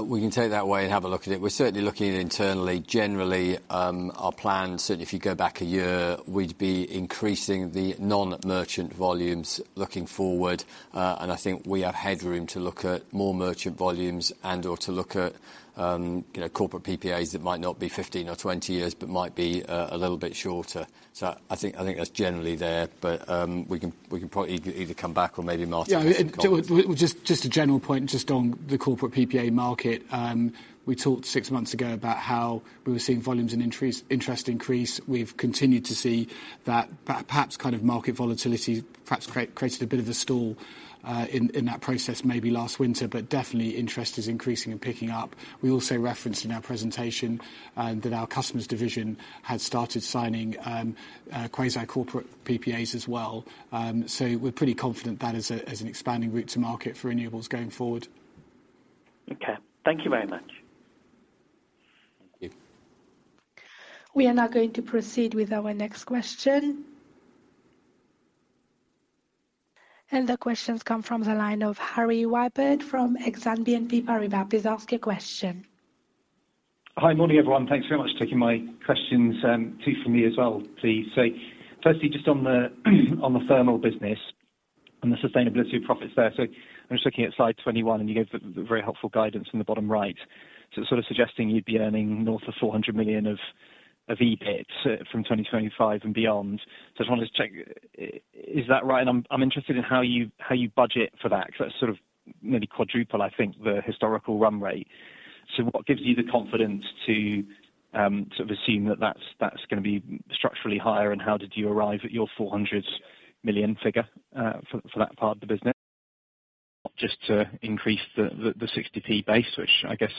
We can take that away and have a look at it. We're certainly looking internally. Generally, our plan, certainly if you go back a year, we'd be increasing the non-merchant volumes looking forward. I think we have headroom to look at more merchant volumes and/or to look at, you know, corporate PPAs that might not be 15 or 20 years, but might be a little bit shorter. I think that's generally there. We can probably either come back or maybe Martin- Just a general point just on the corporate PPA market. We talked six months ago about how we were seeing volumes and interest increase. We've continued to see that. Perhaps kind of market volatility perhaps created a bit of a stall in that process maybe last winter, definitely interest is increasing and picking up. We also referenced in our presentation that our customers division had started signing quasi corporate PPAs as well. We're pretty confident that is an expanding route to market for renewables going forward. Okay. Thank you very much. Thank you. We are now going to proceed with our next question. The questions come from the line of Harry Wyburd from Exane BNP Paribas. Please ask your question. Hi. Morning, everyone. Thanks very much for taking my questions. Two from me as well, please. Firstly just on the thermal business and the sustainability of profits there. I'm just looking at slide 21, and you gave the very helpful guidance in the bottom right. Sort of suggesting you'd be earning north of 400 million of EBIT from 2025 and beyond. I just wanted to check, is that right? And I'm interested in how you, how you budget for that because that's sort of nearly quadruple, I think, the historical run rate. What gives you the confidence to sort of assume that's gonna be structurally higher and how did you arrive at your 400 million figure for that part of the business? Just to increase the 60p base, which I guess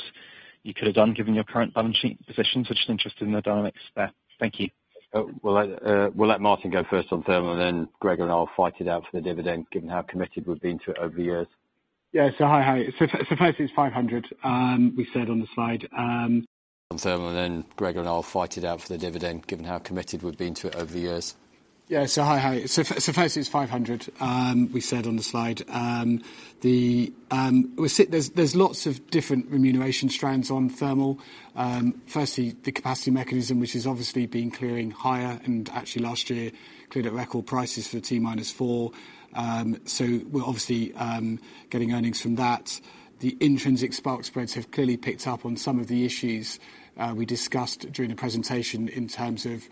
you could have done given your current balance sheet position. Just interested in the dynamics there. Thank you. We'll let Martin go first on thermal. Greg and I will fight it out for the dividend given how committed we've been to it over the years. Yeah. Hi. It's 500, we said on the slide. On Thermal, Gregor and I will fight it out for the dividend given how committed we've been to it over the years. Hi. Suppose it's 500, we said on the slide. There's lots of different remuneration strands on thermal. Firstly, the capacity mechanism, which has obviously been clearing higher, and actually last year cleared at record prices for T-4. We're obviously getting earnings from that. The intrinsic spark spreads have clearly picked up on some of the issues we discussed during the presentation in terms of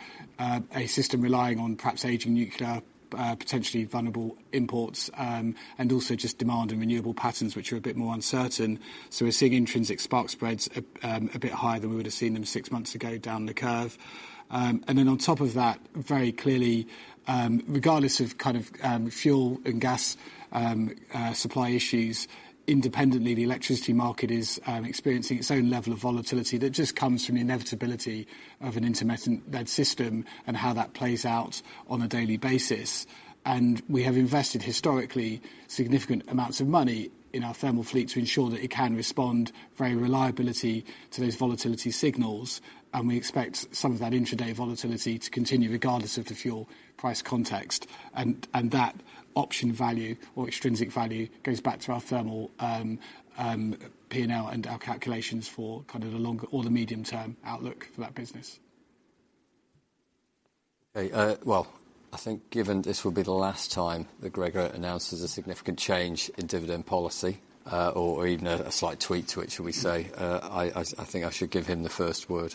a system relying on perhaps aging nuclear, potentially vulnerable imports, and also just demand and renewable patterns which are a bit more uncertain. We're seeing intrinsic spark spreads a bit higher than we would've seen them six months ago down the curve. On top of that, very clearly, regardless of fuel and gas supply issues, independently, the electricity market is experiencing its own level of volatility that just comes from the inevitability of an intermittent-led system and how that plays out on a daily basis. We have invested historically significant amounts of money in our thermal fleet to ensure that it can respond for a reliability to those volatility signals. We expect some of that intraday volatility to continue regardless of the fuel price context. That option value or extrinsic value goes back to our thermal P&L and our calculations for the long or the medium-term outlook for that business. Okay. Well, I think given this will be the last time that Gregor announces a significant change in dividend policy, or even a slight tweak to it, shall we say, I think I should give him the first word.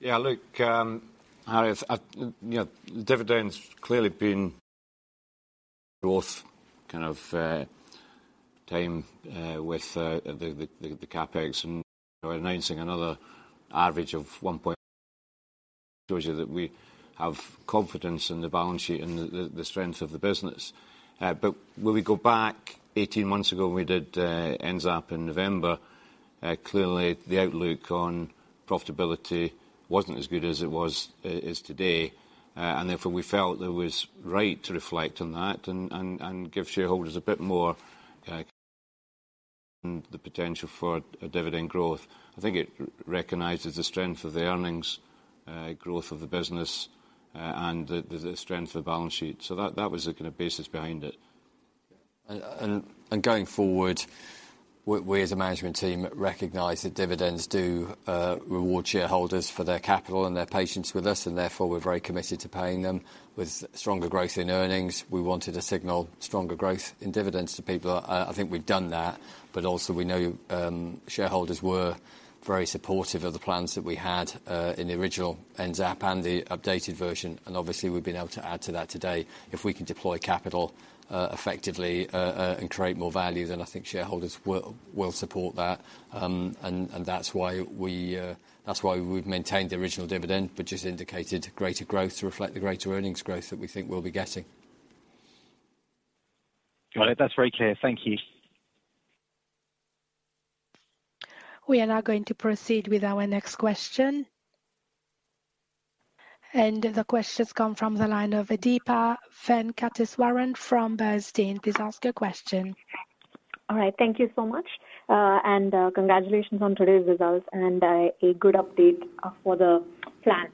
Yeah. Look, Harry, I, you know, dividend's clearly been growth kind of time with the CapEx. We're announcing another average of one point shows you that we have confidence in the balance sheet and the strength of the business. When we go back 18 months ago, when we did NZAP in November, clearly the outlook on profitability wasn't as good as it was as today. Therefore, we felt that it was right to reflect on that and give shareholders a bit more the potential for a dividend growth. I think it recognizes the strength of the earnings growth of the business and the strength of the balance sheet. That was the kinda basis behind it. Going forward, we as a management team recognize that dividends do reward shareholders for their capital and their patience with us, and therefore we're very committed to paying them. With stronger growth in earnings, we wanted to signal stronger growth in dividends to people. I think we've done that. Also we know shareholders were very supportive of the plans that we had in the original NZAP and the updated version, and obviously we've been able to add to that today. If we can deploy capital effectively and create more value, then I think shareholders will support that. That's why we that's why we've maintained the original dividend, but just indicated greater growth to reflect the greater earnings growth that we think we'll be getting. Got it. That's very clear. Thank you. We are now going to proceed with our next question. The question's come from the line of a Deepa Venkateswaran from Bernstein. Please ask your question. All right, thank you so much. Congratulations on today's results and a good update for the plan.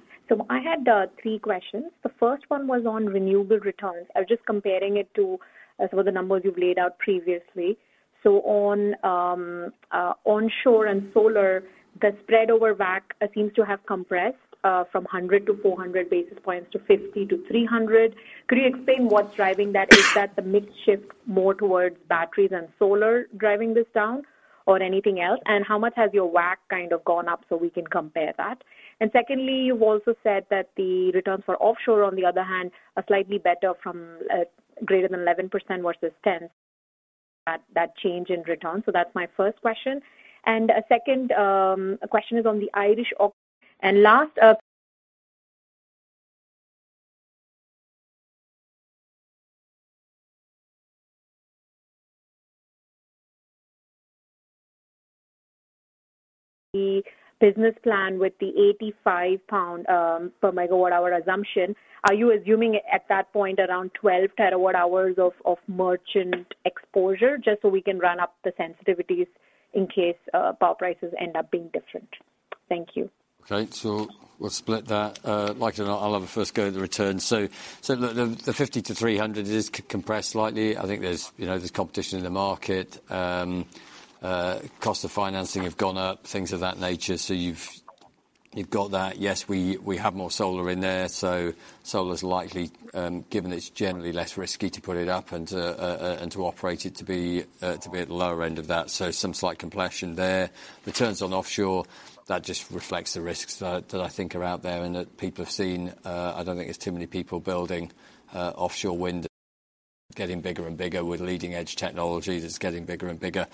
I had three questions. The first one was on renewable returns. I was just comparing it to some of the numbers you've laid out previously. On onshore and solar, the spread over WACC seems to have compressed from 100-400 basis points to 50-300 basis points. Could you explain what's driving that? Is that the mix shift more towards batteries and solar driving this down or anything else? How much has your WACC kind of gone up so we can compare that? Secondly, you've also said that the returns for offshore, on the other hand, are slightly better from greater than 11% versus 10. That change in return. That's my first question. A second question is on the Irish. Last, the business plan with the 85 pound per megawatt hour assumption, are you assuming at that point around 12 TWh of merchant exposure, just so we can run up the sensitivities in case power prices end up being different? Thank you. Okay. We'll split that. like I know, I'll have a first go at the return. Look, the 50 to 300 is compressed slightly. I think there's, you know, there's competition in the market. cost of financing have gone up, things of that nature. You've got that. Yes, we have more solar in there, so solar's likely, given it's generally less risky to put it up and to operate it to be at the lower end of that. Some slight compression there. Returns on offshore, that just reflects the risks that I think are out there and that people have seen. I don't think there's too many people building offshore wind, getting bigger and bigger with leading-edge technology that's getting bigger and bigger.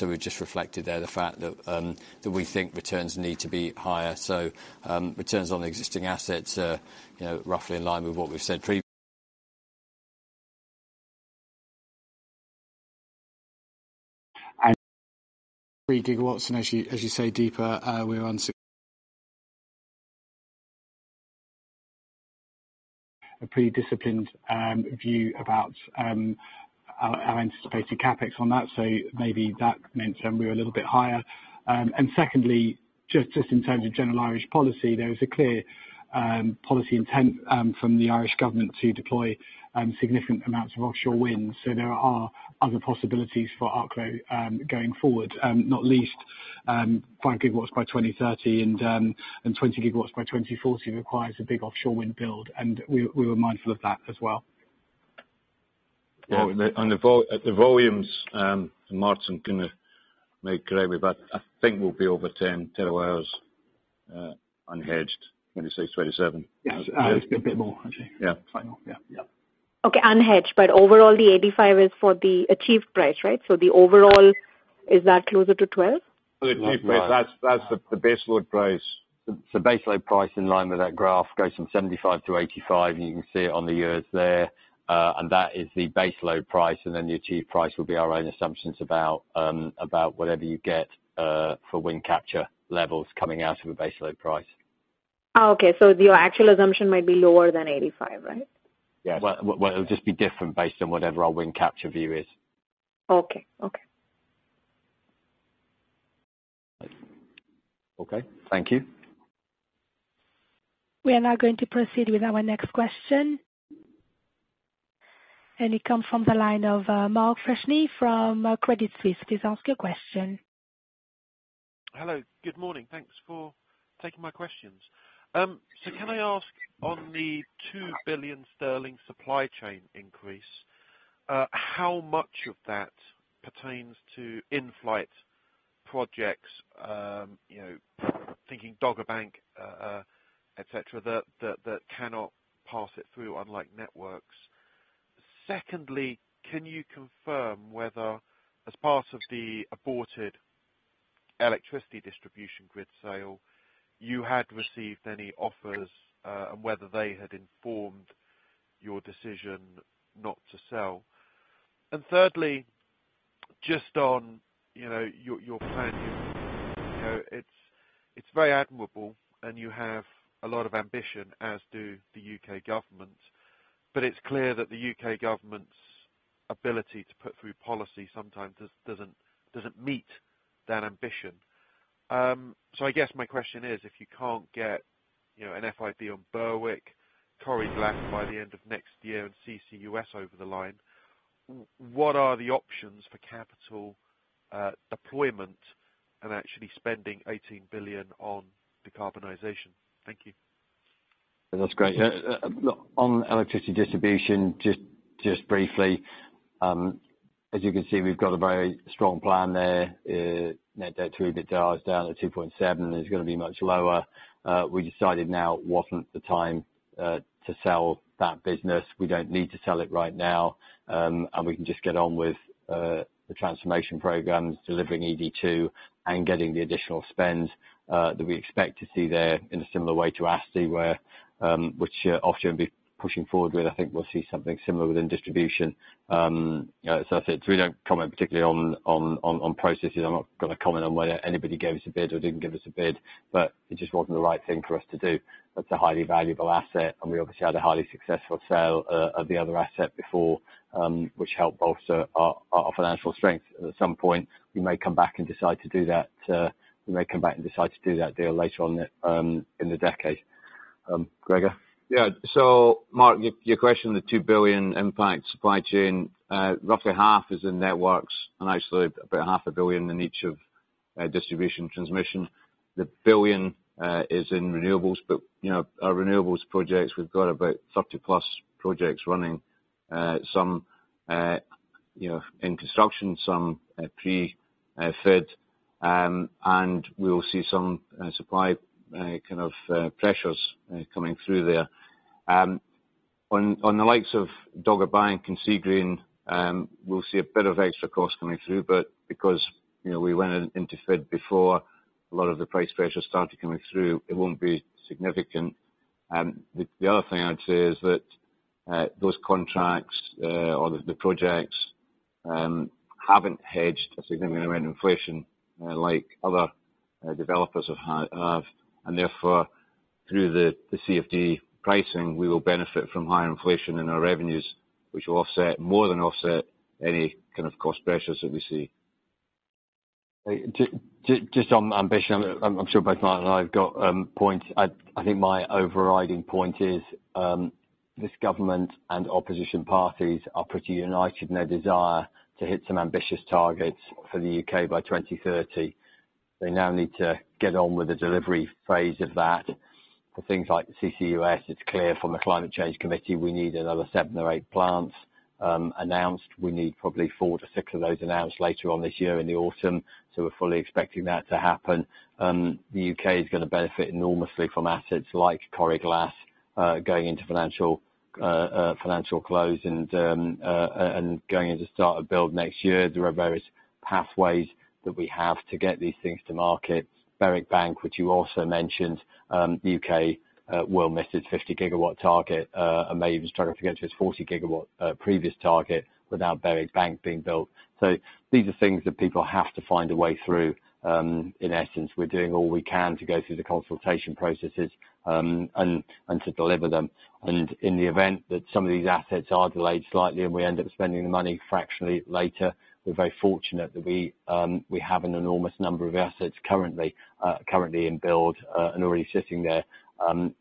We've just reflected there the fact that we think returns need to be higher. Returns on the existing assets are, you know, roughly in line with what we've said pre- 3 GW, as you say, Deepa, we're on a pretty disciplined view about our anticipated CapEx on that. Maybe that meant we were a little bit higher. Secondly, just in terms of general Irish policy, there was a clear policy intent from the Irish government to deploy significant amounts of offshore wind. There are other possibilities for Arklow going forward. Not least, 5 GW by 2030 and 20 GW by 2040 requires a big offshore wind build. We were mindful of that as well. The volumes, Martin can may correct me, but I think we'll be over 10 TW unhedged 2026, 2027. Yes. A bit more, actually. Yeah. Final. Yeah. Yeah. Okay. Unhedged, overall the 85 is for the achieved price, right? The overall, is that closer to 12? The achieved price, that's the base load price. The base load price in line with that graph goes from 75-85. You can see it on the years there. That is the base load price. Then the achieved price will be our own assumptions about whatever you get for wind capture levels coming out of a base load price. Oh, okay. Your actual assumption might be lower than 85, right? Yes. Well, it'll just be different based on whatever our wind capture view is. Okay. Okay. Okay. Thank you. We are now going to proceed with our next question, and it comes from the line of Mark Freshney from Credit Suisse. Please ask your question. Hello. Good morning. Thanks for taking my questions. Can I ask on the 2 billion sterling supply chain increase, how much of that pertains to in-flight projects? You know, thinking Dogger Bank, et cetera, that cannot pass it through unlike networks. Secondly, can you confirm whether as part of the aborted electricity distribution grid sale, you had received any offers, and whether they had informed your decision not to sell? Thirdly, just on, you know, your plan here. You know, it's very admirable, and you have a lot of ambition, as do the U.K. government. It's clear that the U.K. government's ability to put through policy sometimes doesn't meet that ambition. I guess my question is, if you can't get, you know, an FID on Berwick, Coire Glas by the end of next year and CCUS over the line, what are the options for capital deployment and actually spending 18 billion on decarbonization? Thank you. That's great. Look, on electricity Distribution, just briefly, as you can see, we've got a very strong plan there. Net Debt to EBITDA is down to 2.7. It's gonna be much lower. We decided now wasn't the time to sell that business. We don't need to sell it right now, and we can just get on with the transformation programs, delivering ED2 and getting the additional spend that we expect to see there in a similar way to ASTI, where which offshore will be pushing forward with. I think we'll see something similar within Distribution. I said we don't comment particularly on processes. I'm not gonna comment on whether anybody gave us a bid or didn't give us a bid, but it just wasn't the right thing for us to do. That's a highly valuable asset, and we obviously had a highly successful sale of the other asset before, which helped bolster our financial strength. At some point, we may come back and decide to do that, we may come back and decide to do that deal later on in the decade. Gregor? Mark, your question, the 2 billion impact supply chain, roughly half is in networks and actually about a half a billion in each of distribution transmission. 1 billion is in renewables. You know, our renewables projects, we've got about 30-plus projects running. Some, you know, in construction, some, pre-FID. And we will see some supply kind of pressures coming through there. On the likes of Dogger Bank and Seagreen, we'll see a bit of extra cost coming through, but because, you know, we went into FID before a lot of the price pressures started coming through, it won't be significant. The other thing I'd say is that those contracts or the projects Haven't hedged a significant amount of inflation, like other developers have, and therefore, through the CFD pricing, we will benefit from higher inflation in our revenues, which will offset, more than offset any kind of cost pressures that we see. Just on ambition, I'm sure both Mark and I have got points. I think my overriding point is this government and opposition parties are pretty united in their desire to hit some ambitious targets for the U.K. by 2030. They now need to get on with the delivery phase of that for things like CCUS. It's clear from the Climate Change Committee, we need another seven or eight plants announced. We need probably four to six of those announced later on this year in the autumn, so we're fully expecting that to happen. The U.K. is gonna benefit enormously from assets like Coire Glas going into financial close and going into start of build next year. There are various pathways that we have to get these things to market. Berwick Bank, which you also mentioned, the U.K. will miss its 50 GW target and may even struggle to get to its 40 GW previous target without Berwick Bank being built. These are things that people have to find a way through in essence. We're doing all we can to go through the consultation processes and to deliver them. In the event that some of these assets are delayed slightly and we end up spending the money fractionally later, we're very fortunate that we have an enormous number of assets currently in build and already sitting there.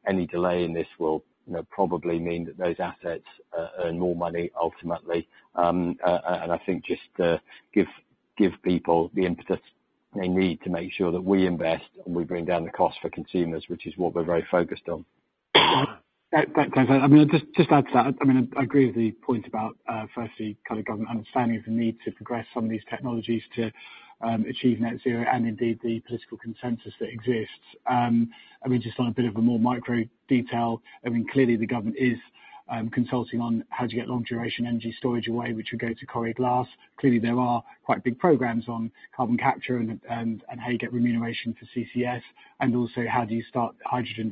Any delay in this will, you know, probably mean that those assets earn more money ultimately. I think just to give people the impetus they need to make sure that we invest and we bring down the cost for consumers, which is what we're very focused on. That. I mean, just to add to that. I mean, I agree with the point about, firstly kind of government understanding of the need to progress some of these technologies to achieve Net Zero and indeed the political consensus that exists. I mean, just on a bit of a more micro detail, I mean, clearly the government is consulting on how to get long duration energy storage away, which would go to Coire Glas. Clearly, there are quite big programs on carbon capture and how you get remuneration for CCS and also how do you start hydrogen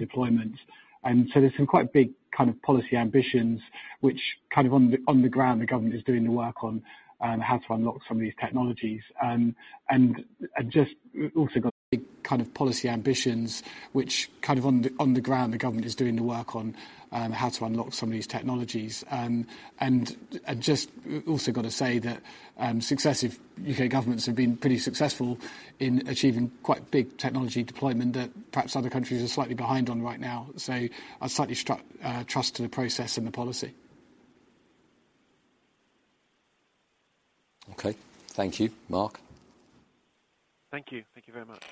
deployment. There's some quite big kind of policy ambitions which kind of on the, on the ground, the government is doing the work on how to unlock some of these technologies. Just also got big kind of policy ambitions which kind of on the, on the ground, the government is doing the work on how to unlock some of these technologies. Just also gotta say that successive U.K. governments have been pretty successful in achieving quite big technology deployment that perhaps other countries are slightly behind on right now. I slightly trust in the process and the policy. Okay. Thank you. Mark? Thank you. Thank you very much.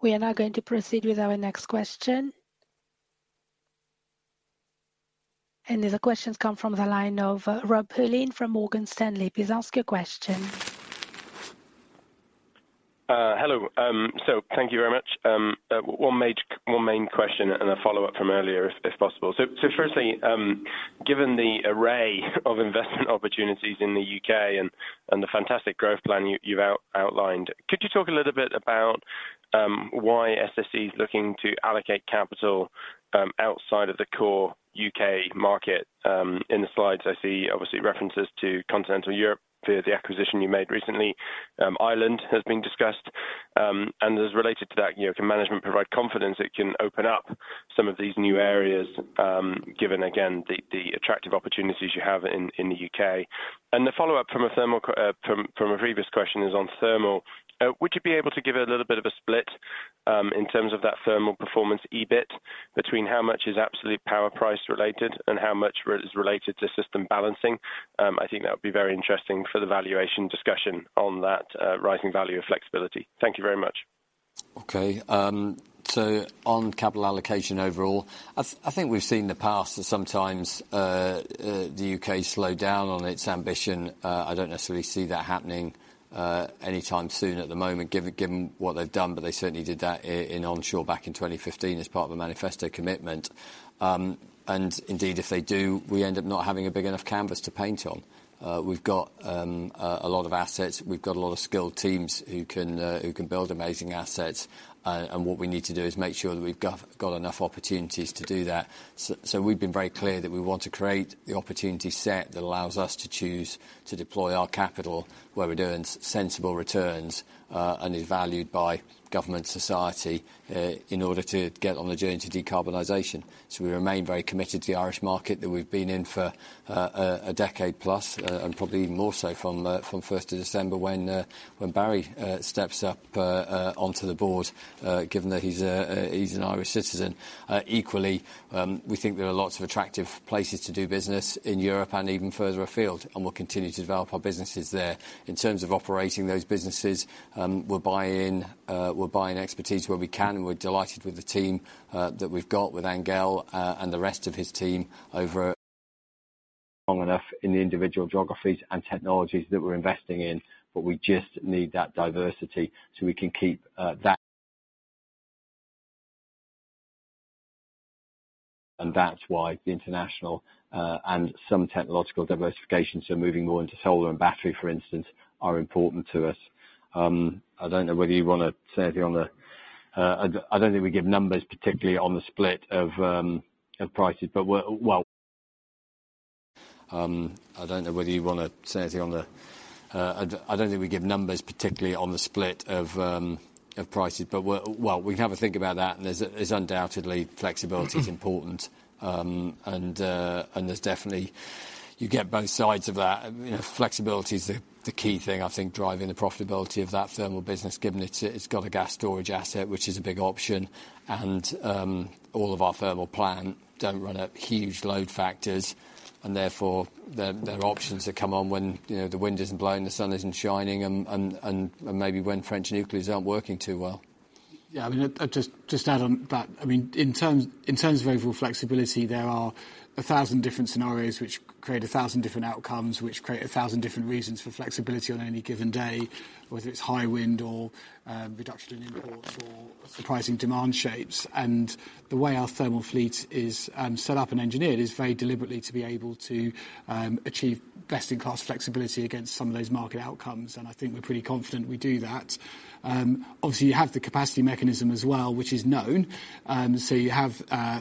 We are now going to proceed with our next question. The questions come from the line of Robert Pulleyn from Morgan Stanley. Please ask your question. Hello. Thank you very much. One main question and a follow-up from earlier if possible. Firstly, given the array of investment opportunities in the U.K. and the fantastic growth plan you've outlined, could you talk a little bit about why SSE is looking to allocate capital outside of the core U.K. market? In the slides I see obviously references to continental Europe via the acquisition you made recently. Ireland has been discussed. As related to that, you know, can management provide confidence it can open up some of these new areas, given again, the attractive opportunities you have in the U.K.? The follow-up from a previous question is on thermal. Would you be able to give a little bit of a split in terms of that thermal performance EBIT between how much is absolute power price related and how much is related to system balancing? I think that would be very interesting for the valuation discussion on that rising value of flexibility. Thank you very much. Okay. On capital allocation overall, I think we've seen in the past that sometimes the U.K. slow down on its ambition. I don't necessarily see that happening anytime soon at the moment given what they've done, but they certainly did that in onshore back in 2015 as part of a manifesto commitment. Indeed, if they do, we end up not having a big enough canvas to paint on. We've got a lot of assets. We've got a lot of skilled teams who can build amazing assets. What we need to do is make sure that we've got enough opportunities to do that. We've been very clear that we want to create the opportunity set that allows us to choose to deploy our capital where we're doing sensible returns, and is valued by government society, in order to get on the journey to decarbonization. We remain very committed to the Irish market that we've been in for a decade plus, and probably even more so from first of December when Barry steps up onto the board, given that he's an Irish citizen. Equally, we think there are lots of attractive places to do business in Europe and even further afield, and we'll continue to develop our businesses there. In terms of operating those businesses, we're buying expertise where we can, and we're delighted with the team that we've got with Ángel, and the rest of his team over long enough in the individual geographies and technologies that we're investing in. We just need that diversity, so we can keep that. That's why the international, and some technological diversifications are moving more into solar and battery, for instance, are important to us. I don't know whether you wanna say anything on the... I don't think we give numbers, particularly on the split of prices. Well, we can have a think about that. There's undoubtedly flexibility is important. You get both sides of that. I mean, flexibility is the key thing, I think, driving the profitability of that thermal business, given it's got a gas storage asset, which is a big option. All of our thermal plant don't run at huge load factors, and therefore, there are options that come on when, you know, the wind isn't blowing, the sun isn't shining, and maybe when French nuclears aren't working too well. I mean, just add on that. I mean, in terms of overall flexibility, there are 1,000 different scenarios which create 1,000 different outcomes, which create 1,000 different reasons for flexibility on any given day, whether it's high wind or reduction in imports or surprising demand shapes. The way our thermal fleet is set up and engineered is very deliberately to be able to achieve best-in-class flexibility against some of those market outcomes, and I think we're pretty confident we do that. Obviously, you have the capacity mechanism as well, which is known. You have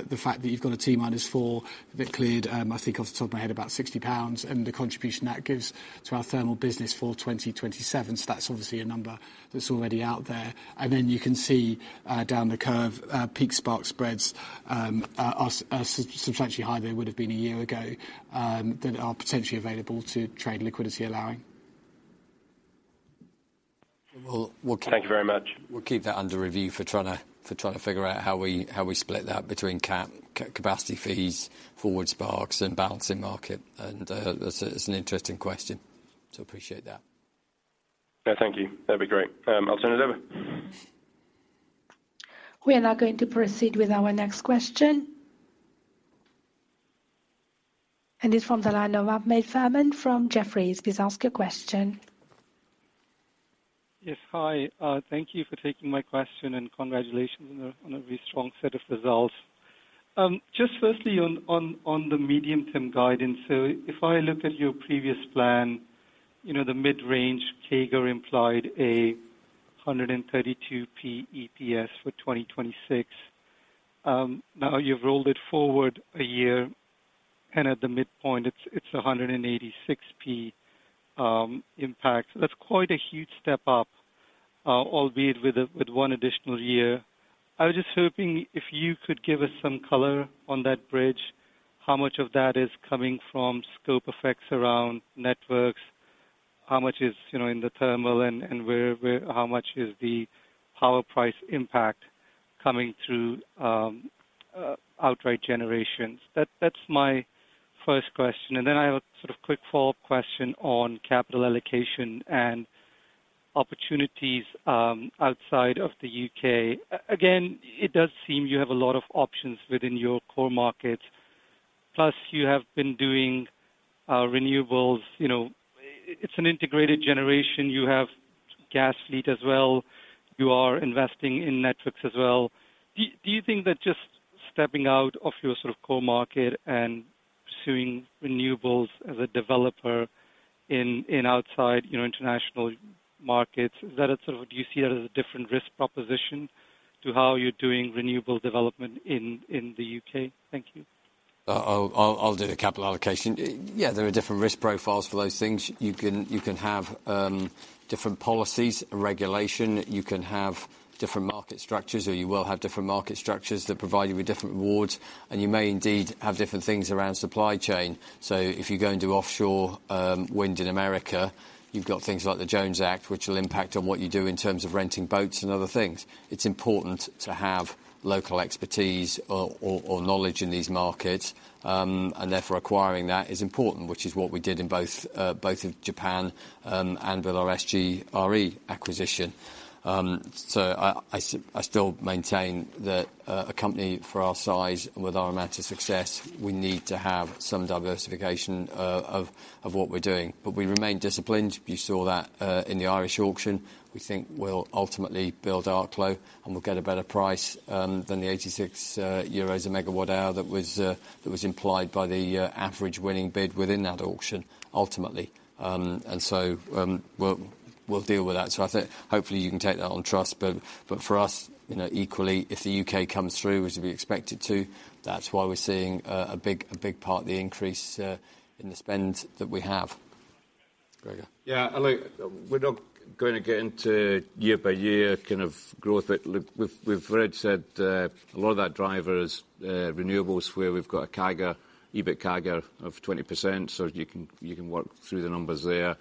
the fact that you've got a T-4 that cleared, I think off the top of my head, about 60 pounds, and the contribution that gives to our thermal business for 2027. That's obviously a number that's already out there. You can see, down the curve, peak spark spreads, are substantially higher than it would've been a year ago, that are potentially available to trade liquidity allowing. Well, we'll. Thank you very much. We'll keep that under review for trying to figure out how we split that between capacity fees, forward sparks, and balancing market. It's an interesting question, appreciate that. Yeah, thank you. That'd be great. I'll turn it over. We are now going to proceed with our next question. It's from the line of Ahmed Farman from Jefferies. Please ask your question. Hi. Thank you for taking my question, and congratulations on a very strong set of results. Just firstly on the medium-term guidance. If I look at your previous plan, you know, the mid-range CAGR implied 132p EPS for 2026. Now you've rolled it forward one year, and at the midpoint, it's 186p impact. That's quite a huge step up, albeit with one additional year. I was just hoping if you could give us some color on that bridge, how much of that is coming from scope effects around networks? How much is, you know, in the thermal and how much is the power price impact coming through outright generations? That's my first question. I have a sort of quick follow-up question on capital allocation and opportunities outside of the U.K. Again, it does seem you have a lot of options within your core markets, plus you have been doing renewables. You know, it's an integrated generation. You have gas fleet as well. You are investing in networks as well. Do you think that just stepping out of your sort of core market and pursuing renewables as a developer in outside, you know, international markets, do you see that as a different risk proposition to how you're doing renewable development in the U.K.? Thank you. I'll do the capital allocation. Yeah, there are different risk profiles for those things. You can have different policies and regulation. You can have different market structures, or you will have different market structures that provide you with different rewards. You may indeed have different things around supply chain. If you're going to offshore wind in America, you've got things like the Jones Act, which will impact on what you do in terms of renting boats and other things. It's important to have local expertise or knowledge in these markets. Therefore acquiring that is important, which is what we did in both both in Japan and with our SGRE acquisition. I still maintain that a company for our size and with our amount of success, we need to have some diversification of what we're doing. We remain disciplined. You saw that in the Irish auction. We think we'll ultimately build Arklow, and we'll get a better price than the 86 euros a megawatt hour that was implied by the average winning bid within that auction, ultimately. We'll deal with that. I think hopefully you can take that on trust. For us, you know, equally, if the U.K. comes through, which is we expect it to, that's why we're seeing a big part of the increase in the spend that we have. Gregor. Yeah. Look, we're not going to get into year-by-year kind of growth. Look, we've already said, a lot of that drivers, renewables where we've got a CAGR, EBIT CAGR of 20%, so you can work through the numbers there.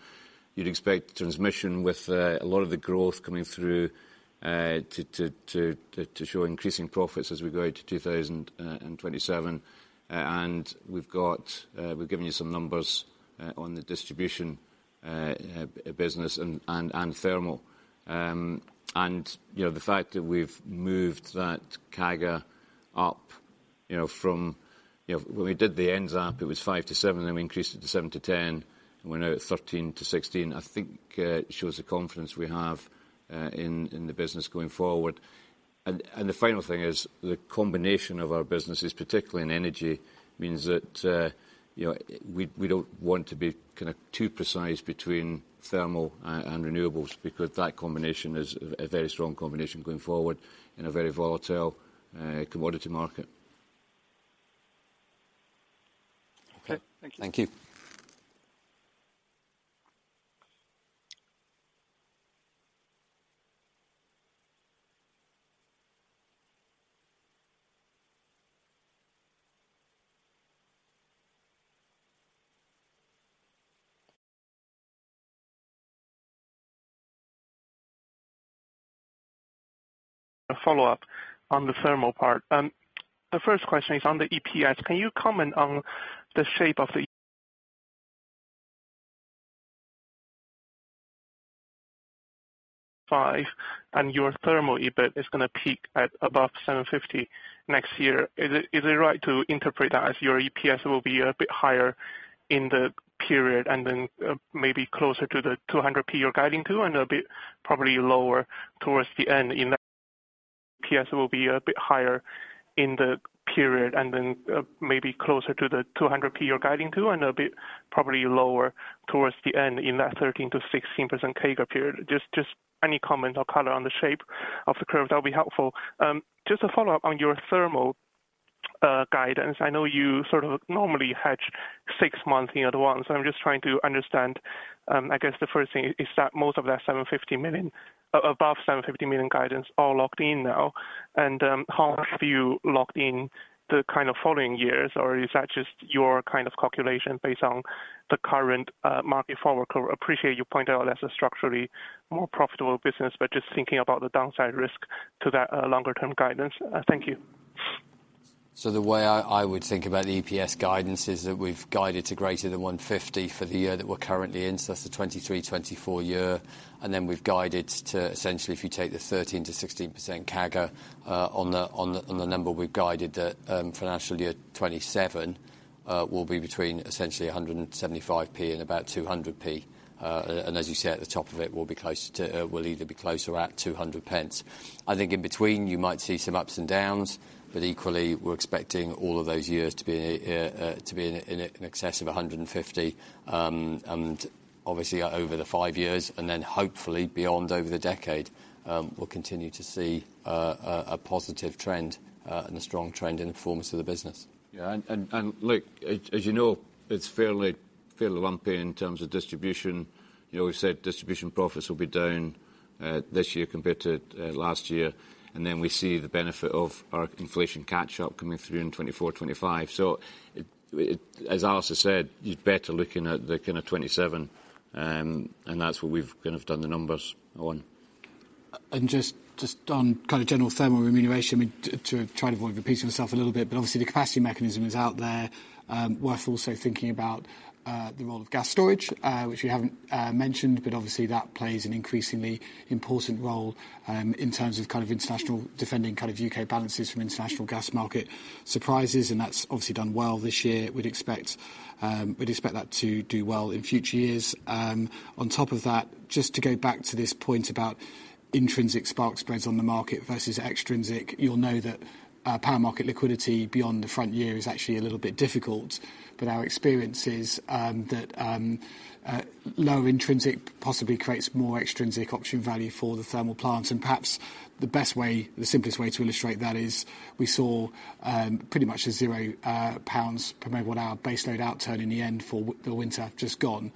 You'd expect transmission with a lot of the growth coming through to show increasing profits as we go out to 2027. We've got, we've given you some numbers on the distribution business and thermal. You know, the fact that we've moved that CAGR up, you know, from, you know, when we did the NZAP, it was 5%-7%, then we increased it to 7%-10%, and we're now at 13%-16%, I think shows the confidence we have in the business going forward. The final thing is the combination of our businesses, particularly in energy, means that, you know, we don't want to be kinda too precise between thermal and renewables because that combination is a very strong combination going forward in a very volatile Commodity market. Okay. Thank you. Thank you. A follow-up on the thermal part. The first question is on the EPS. Can you comment on the shape of the Five and your thermal EBIT is gonna peak at above 750 next year. Is it right to interpret that as your EPS will be a bit higher in the period and then maybe closer to 2.00 you're guiding to and a bit probably lower towards the end in that 13%-16% CAGR period. Just any comment or color on the shape of the curve, that'll be helpful. Just a follow-up on your thermal guidance. I know you sort of normally hedge six months in advance. I'm just trying to understand, I guess the first thing is that most of that 750 million above 750 million guidance all locked in now. How much have you locked in the kind of following years? Or is that just your kind of calculation based on the current market forward curve? Appreciate you pointed out as a structurally more profitable business, but just thinking about the downside risk to that longer term guidance. Thank you. The way I would think about the EPS guidance is that we've guided to greater than 150 for the year that we're currently in. That's the 2023-2024 year. We've guided to essentially, if you take the 13%-16% CAGR on the number we've guided that financial year 2027 will be between essentially 175p and about 200p. As you say, at the top of it, we'll either be close or at 200 pence. I think in between you might see some ups and downs, but equally we're expecting all of those years to be in excess of 150. Obviously over the five years and then hopefully beyond over the decade, we'll continue to see a positive trend and a strong trend in the performance of the business. Yeah. Look, as you know, it's fairly lumpy in terms of distribution. You know, we've said distribution profits will be down this year compared to last year. Then we see the benefit of our inflation catch up coming through in 2024, 2025. As Alistair said, you're better looking at the kind of 2027, and that's what we've kind of done the numbers on. Just on kind of general thermal remuneration, I mean, to try to avoid repeating yourself a little bit, but obviously the capacity mechanism is out there. Worth also thinking about the role of gas storage, which you haven't mentioned, but obviously that plays an increasingly important role in terms of kind of international defending, kind of U.K. balances from international gas market surprises, and that's obviously done well this year. We'd expect that to do well in future years. On top of that, just to go back to this point about intrinsic spark spreads on the market versus extrinsic. You'll know that power market liquidity beyond the front year is actually a little bit difficult. Our experience is that lower intrinsic possibly creates more extrinsic option value for the thermal plants. Perhaps the best way, the simplest way to illustrate that is we saw pretty much a 0 pounds per megawatt hour base load out turn in the end for the winter just gone.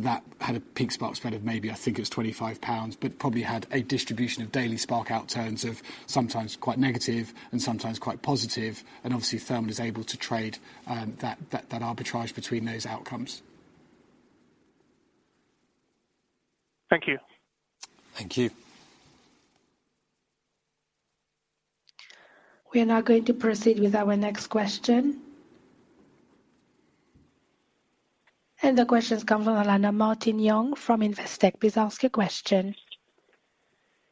That had a peak spark spread of maybe, I think it was 25 pounds, but probably had a distribution of daily spark out turns of sometimes quite negative and sometimes quite positive. Obviously thermal is able to trade that arbitrage between those outcomes. Thank you. Thank you. We are now going to proceed with our next question. The question's come from a line of Martin Young from Investec. Please ask your question.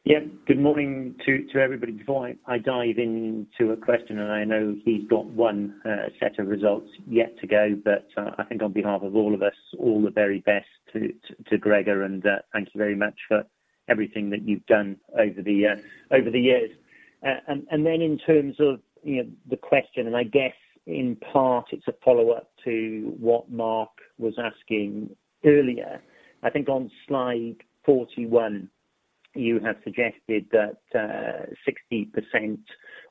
Yeah. Good morning to everybody. Before I dive into a question, and I know he's got one set of results yet to go, but I think on behalf of all of us, all the very best to Gregor and thank you very much for everything that you've done over the years. Then in terms of, you know, the question, and I guess in part it's a follow-up to what Mark was asking earlier. I think on slide 41, you have suggested that 60%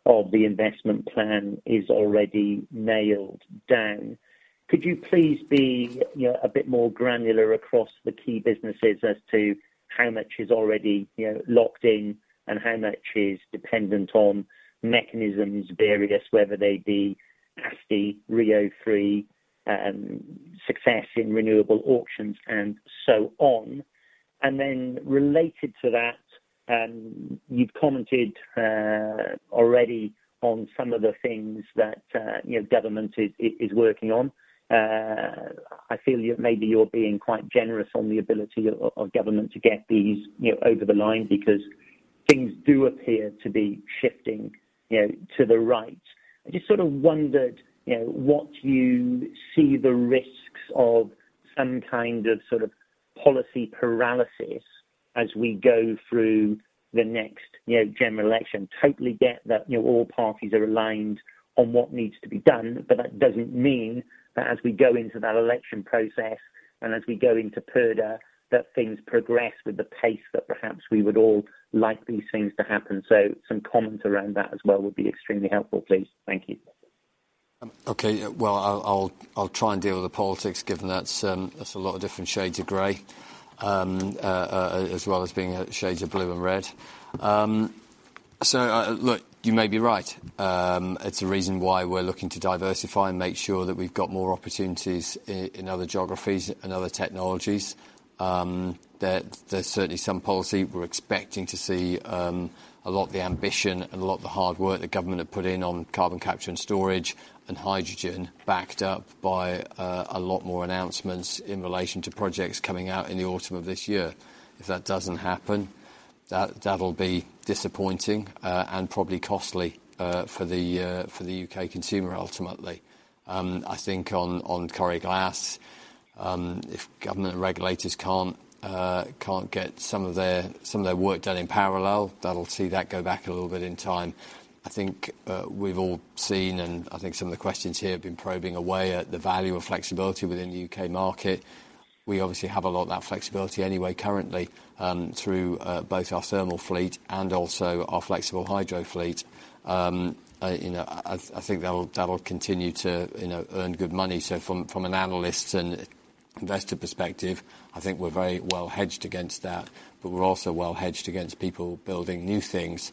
of the investment plan is already nailed down. Could you please be, you know, a bit more granular across the key businesses as to how much is already, you know, locked in and how much is dependent on mechanisms various, whether they be ASTI, RIIO-T3, success in renewable auctions and so on. Related to that, you've commented already on some of the things that, you know, government is working on. I feel maybe you're being quite generous on the ability of government to get these, you know, over the line because things do appear to be shifting, you know, to the right. I just sort of wondered, you know, what you see the risks of some kind of sort of policy paralysis as we go through the next, you know, general election. Totally get that, you know, all parties are aligned on what needs to be done, but that doesn't mean that as we go into that election process and as we go into purdah, that things progress with the pace that perhaps we would all like these things to happen. Some comment around that as well would be extremely helpful, please. Thank you. Okay. Well, I'll try and deal with the politics, given that's a lot of different shades of gray, as well as being shades of blue and red. Look, you may be right. It's a reason why we're looking to diversify and make sure that we've got more opportunities in other geographies and other technologies, that there's certainly some policy we're expecting to see, a lot of the ambition and a lot of the hard work the government have put in on carbon capture and storage and hydrogen, backed up by a lot more announcements in relation to projects coming out in the autumn of this year. If that doesn't happen, that'll be disappointing, and probably costly for the U.K. consumer, ultimately. I think on Coire Glas, if government regulators can't get some of their work done in parallel, that'll see that go back a little bit in time. I think we've all seen, and I think some of the questions here have been probing away at the value of flexibility within the U.K. market. We obviously have a lot of that flexibility anyway currently, through both our thermal fleet and also our flexible hydro fleet. You know, I think that'll continue to, you know, earn good money. From an analyst and investor perspective, I think we're very well hedged against that, but we're also well hedged against people building new things,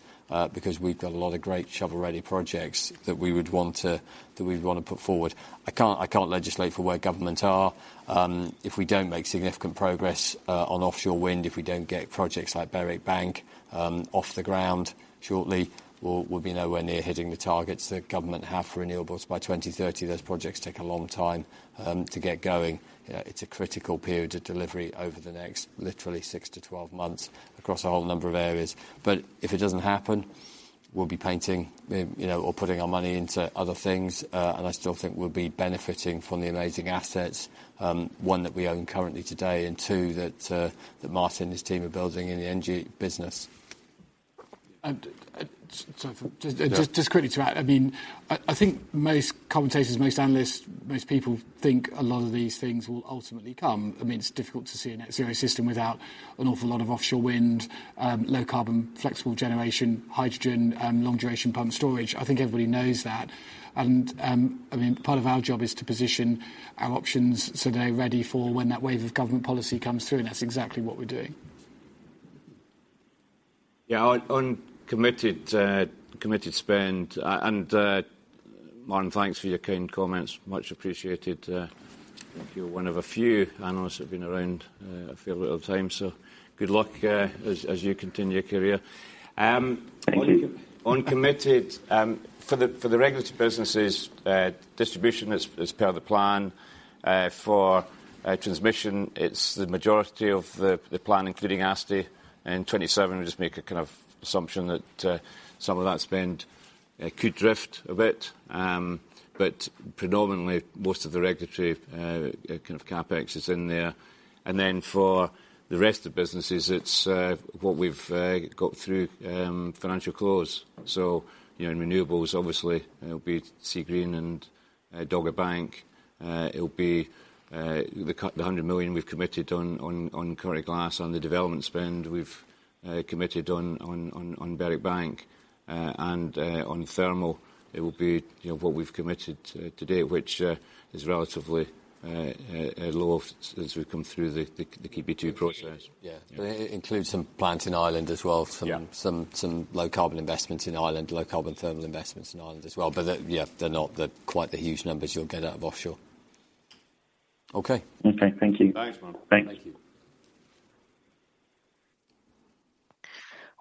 because we've got a lot of great shovel-ready projects that we would wanna put forward. I can't legislate for where government are. If we don't make significant progress on offshore wind, if we don't get projects like Berwick Bank off the ground shortly, we'll be nowhere near hitting the targets that government have for renewables by 2030. Those projects take a long time to get going. You know, it's a critical period of delivery over the next literally 6-12 months across a whole number of areas. If it doesn't happen, we'll be painting, you know, or putting our money into other things, and I still think we'll be benefiting from the amazing assets, one that we own currently today, and two that Martin and his team are building in the energy business. Just quickly to add, I mean, I think most commentators, most analysts, most people think a lot of these things will ultimately come. I mean, it's difficult to see a net zero system without an awful lot of offshore wind, low carbon, flexible generation, hydrogen, long duration pump storage. I think everybody knows that. I mean, part of our job is to position our options so they're ready for when that wave of government policy comes through, and that's exactly what we're doing. Yeah, on committed spend, Martin, thanks for your kind comments. Much appreciated. I think you're one of a few analysts who've been around a fair little time. Good luck as you continue your career. Thank you. On committed, for the regulatory businesses, distribution is per the plan. For transmission, it's the majority of the plan, including ASTI. In 2027, we just make a kind of assumption that some of that spend could drift a bit, predominantly, most of the regulatory kind of CapEx is in there. For the rest of businesses, it's what we've got through financial close. You know, in renewables, obviously it'll be Seagreen and Dogger Bank. It'll be the 100 million we've committed on Coire Glas on the development spend we've committed on Berwick Bank. On thermal, it will be, you know, what we've committed to date, which is relatively low as we come through the KB2 process. Yeah. It includes some plants in Ireland as well. Yeah. Some low carbon investments in Ireland, low carbon thermal investments in Ireland as well. They're, yeah, they're not the quite the huge numbers you'll get out of offshore. Okay. Okay. Thank you. Thanks, Martin. Thanks. Thank you.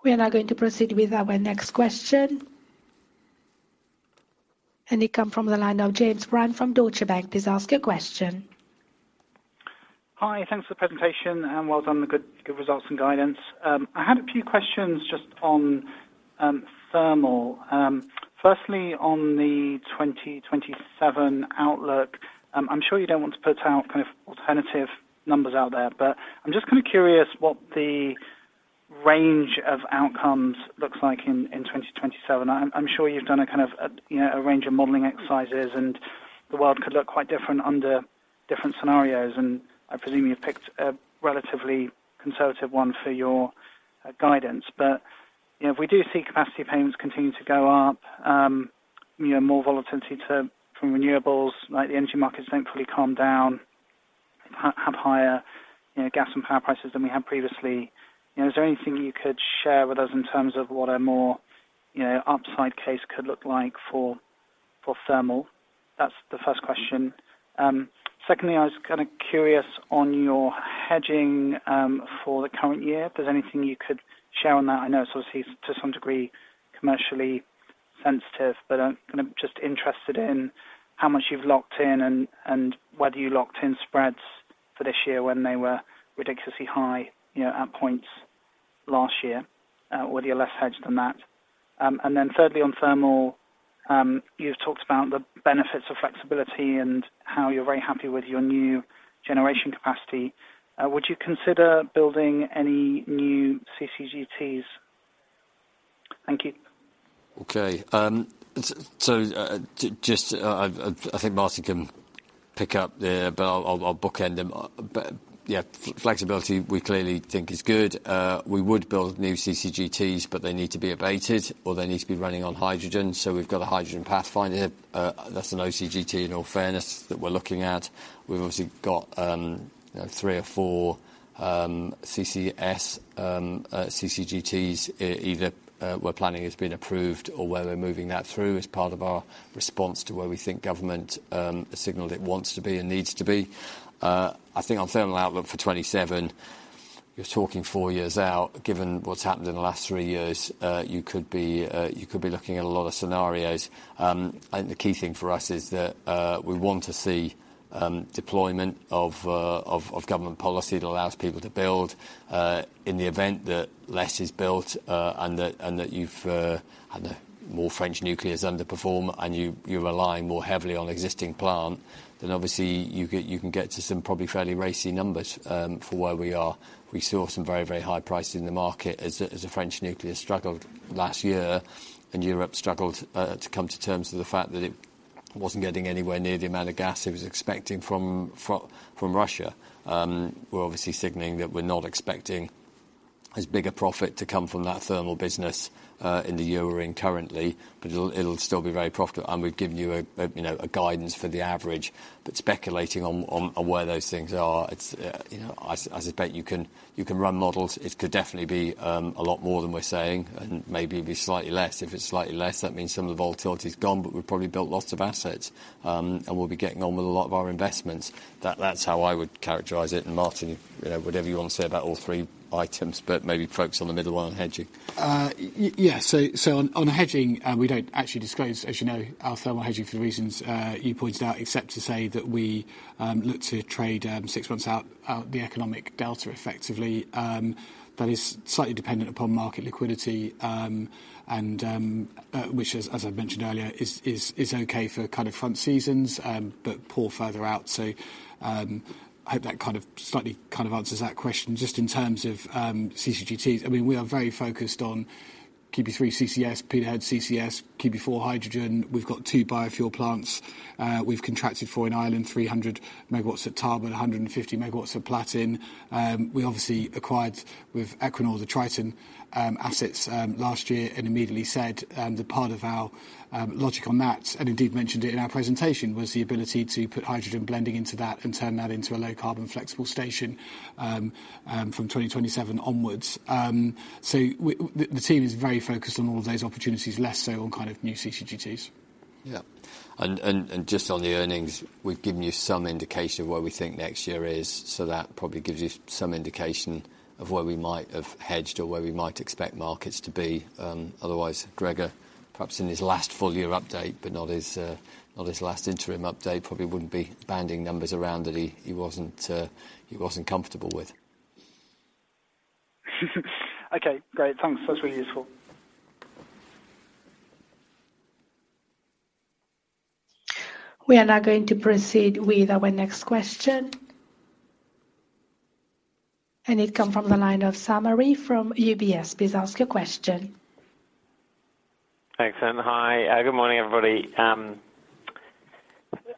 We are now going to proceed with our next question. It comes from the line of James Brand from Deutsche Bank. Please ask your question. Hi. Thanks for the presentation. Well done on the good results and guidance. I had a few questions just on thermal. Firstly, on the 2027 outlook, I'm sure you don't want to put out kind of alternative numbers out there, but I'm just kinda curious what the range of outcomes looks like in 2027. I'm sure you've done a kind of, you know, a range of modeling exercises, the world could look quite different under different scenarios. I presume you've picked a relatively conservative one for your guidance. You know, if we do see capacity payments continue to go up, you know, more volatility to, from renewables, like the energy markets don't fully calm down, have higher, you know, gas and power prices than we had previously, you know, is there anything you could share with us in terms of what a more, you know, upside case could look like for thermal? That's the first question. Secondly, I was kind of curious on your hedging for the current year. If there's anything you could share on that? I know it's obviously to some degree commercially sensitive, but I'm kind of just interested in how much you've locked in and whether you locked in spreads for this year when they were ridiculously high, you know, at points last year, or whether you're less hedged than that. Thirdly, on thermal, you've talked about the benefits of flexibility and how you're very happy with your new generation capacity. Would you consider building any new CCGTs? Thank you. I think Martin can pick up the, but I'll bookend them. Flexibility, we clearly think is good. We would build new CCGTs, but they need to be abated or they need to be running on hydrogen. We've got a Hydrogen Pathfinder. That's an OCGT in all fairness that we're looking at. We've obviously got three or four CCS CCGTs either where planning has been approved or where we're moving that through as part of our response to where we think government has signaled it wants to be and needs to be. I think on thermal outlook for 2027, you're talking four years out. Given what's happened in the last three years, you could be looking at a lot of scenarios. The key thing for us is that, we want to see, deployment of, of government policy that allows people to build. In the event that less is built, and that, and that you've, I don't know, more French nuclear underperform, and you rely more heavily on existing plant, then obviously you can get to some probably fairly racy numbers, for where we are. We saw some very, very high prices in the market as the French nuclear struggled last year, and Europe struggled, to come to terms with the fact that it wasn't getting anywhere near the amount of gas it was expecting from Russia. We're obviously signaling that we're not expecting as big a profit to come from that thermal business in the year we're in currently, but it'll still be very profitable. We've given you a, you know, a guidance for the average, but speculating on where those things are, it's, you know, I suspect you can, you can run models. It could definitely be a lot more than we're saying and maybe be slightly less. If it's slightly less, that means some of the volatility is gone, but we've probably built lots of assets, and we'll be getting on with a lot of our investments. That's how I would characterize it. Martin, you know, whatever you wanna say about all three items, but maybe focus on the middle one on hedging. Yes. On hedging, we don't actually disclose, as you know, our thermal hedging for reasons you pointed out, except to say that we look to trade six months out the economic delta effectively. That is slightly dependent upon market liquidity, and which as I mentioned earlier, is okay for kind of front seasons, but poor further out. I hope that kind of slightly kind of answers that question. Just in terms of CCGTs, I mean, we are very focused on Keadby 3 CCS, Peterhead CCS, Keadby 4 hydrogen. We've got 2 biofuel plants. We've contracted for in Ireland 300 MW at Tarbert, 150 MW at Platin. We obviously acquired with Equinor the Triton assets last year immediately said that part of our logic on that, and indeed mentioned it in our presentation, was the ability to put hydrogen blending into that and turn that into a low-carbon flexible station from 2027 onwards. The team is very focused on all of those opportunities, less so on kind of new CCGTs. Yeah. And just on the earnings, we've given you some indication of where we think next year is. That probably gives you some indication of where we might have hedged or where we might expect markets to be. Otherwise, Gregor, perhaps in his last full year update, but not his last interim update, probably wouldn't be banding numbers around that he wasn't comfortable with. Okay, great. Thanks. That's really useful. We are now going to proceed with our next question. It come from the line of Sam Arie from UBS. Please ask your question. Thanks. Hi. Good morning, everybody.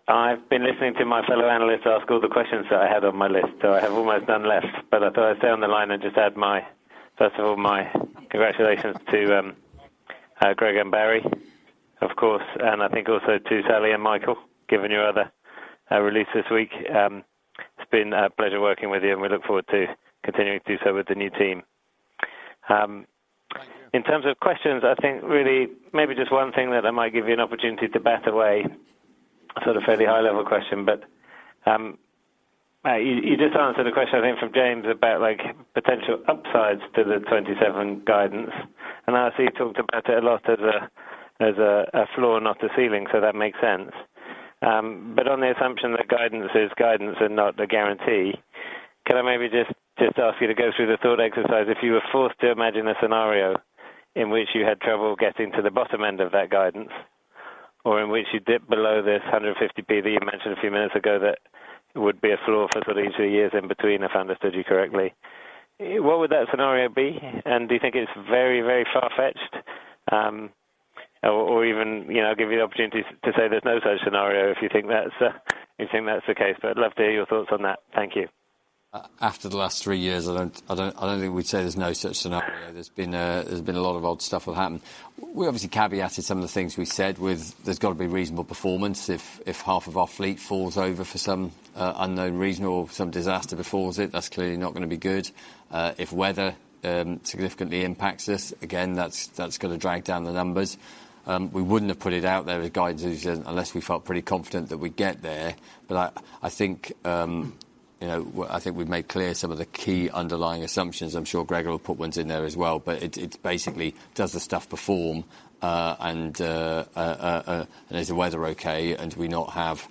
I've been listening to my fellow analysts ask all the questions that I had on my list, so I have almost none left. I thought I'd stay on the line and just add my, first of all, my congratulations to Greg and Barry, of course, and I think also to Sally and Michael, given your other release this week. It's been a pleasure working with you, and we look forward to continuing to do so with the new team. Thank you. In terms of questions, I think really maybe just one thing that I might give you an opportunity to bat away, sort of fairly high-level question. You just answered a question, I think, from James about like potential upsides to the 27 guidance. I see you talked about it a lot as a, as a floor, not a ceiling, so that makes sense. On the assumption that guidance is guidance and not a guarantee, can I maybe just ask you to go through the thought exercise, if you were forced to imagine a scenario in which you had trouble getting to the bottom end of that guidance or in which you dip below this 150 million that you mentioned a few minutes ago, that would be a floor for sort of two years in between, if I understood you correctly. What would that scenario be? Do you think it's very far-fetched? or even, you know, give you the opportunity to say there's no such scenario if you think that's, you think that's the case. I'd love to hear your thoughts on that. Thank you. After the last three years, I don't think we'd say there's no such scenario. There's been a lot of odd stuff that happened. We obviously caveated some of the things we said with there's gotta be reasonable performance. If half of our fleet falls over for some unknown reason or some disaster befalls it, that's clearly not gonna be good. If weather significantly impacts us, again, that's gonna drag down the numbers. We wouldn't have put it out there as guidance unless we felt pretty confident that we'd get there. I think, you know, I think we've made clear some of the key underlying assumptions. I'm sure Gregor will put ones in there as well. It's basically does the stuff perform, and is the weather okay, and do we not have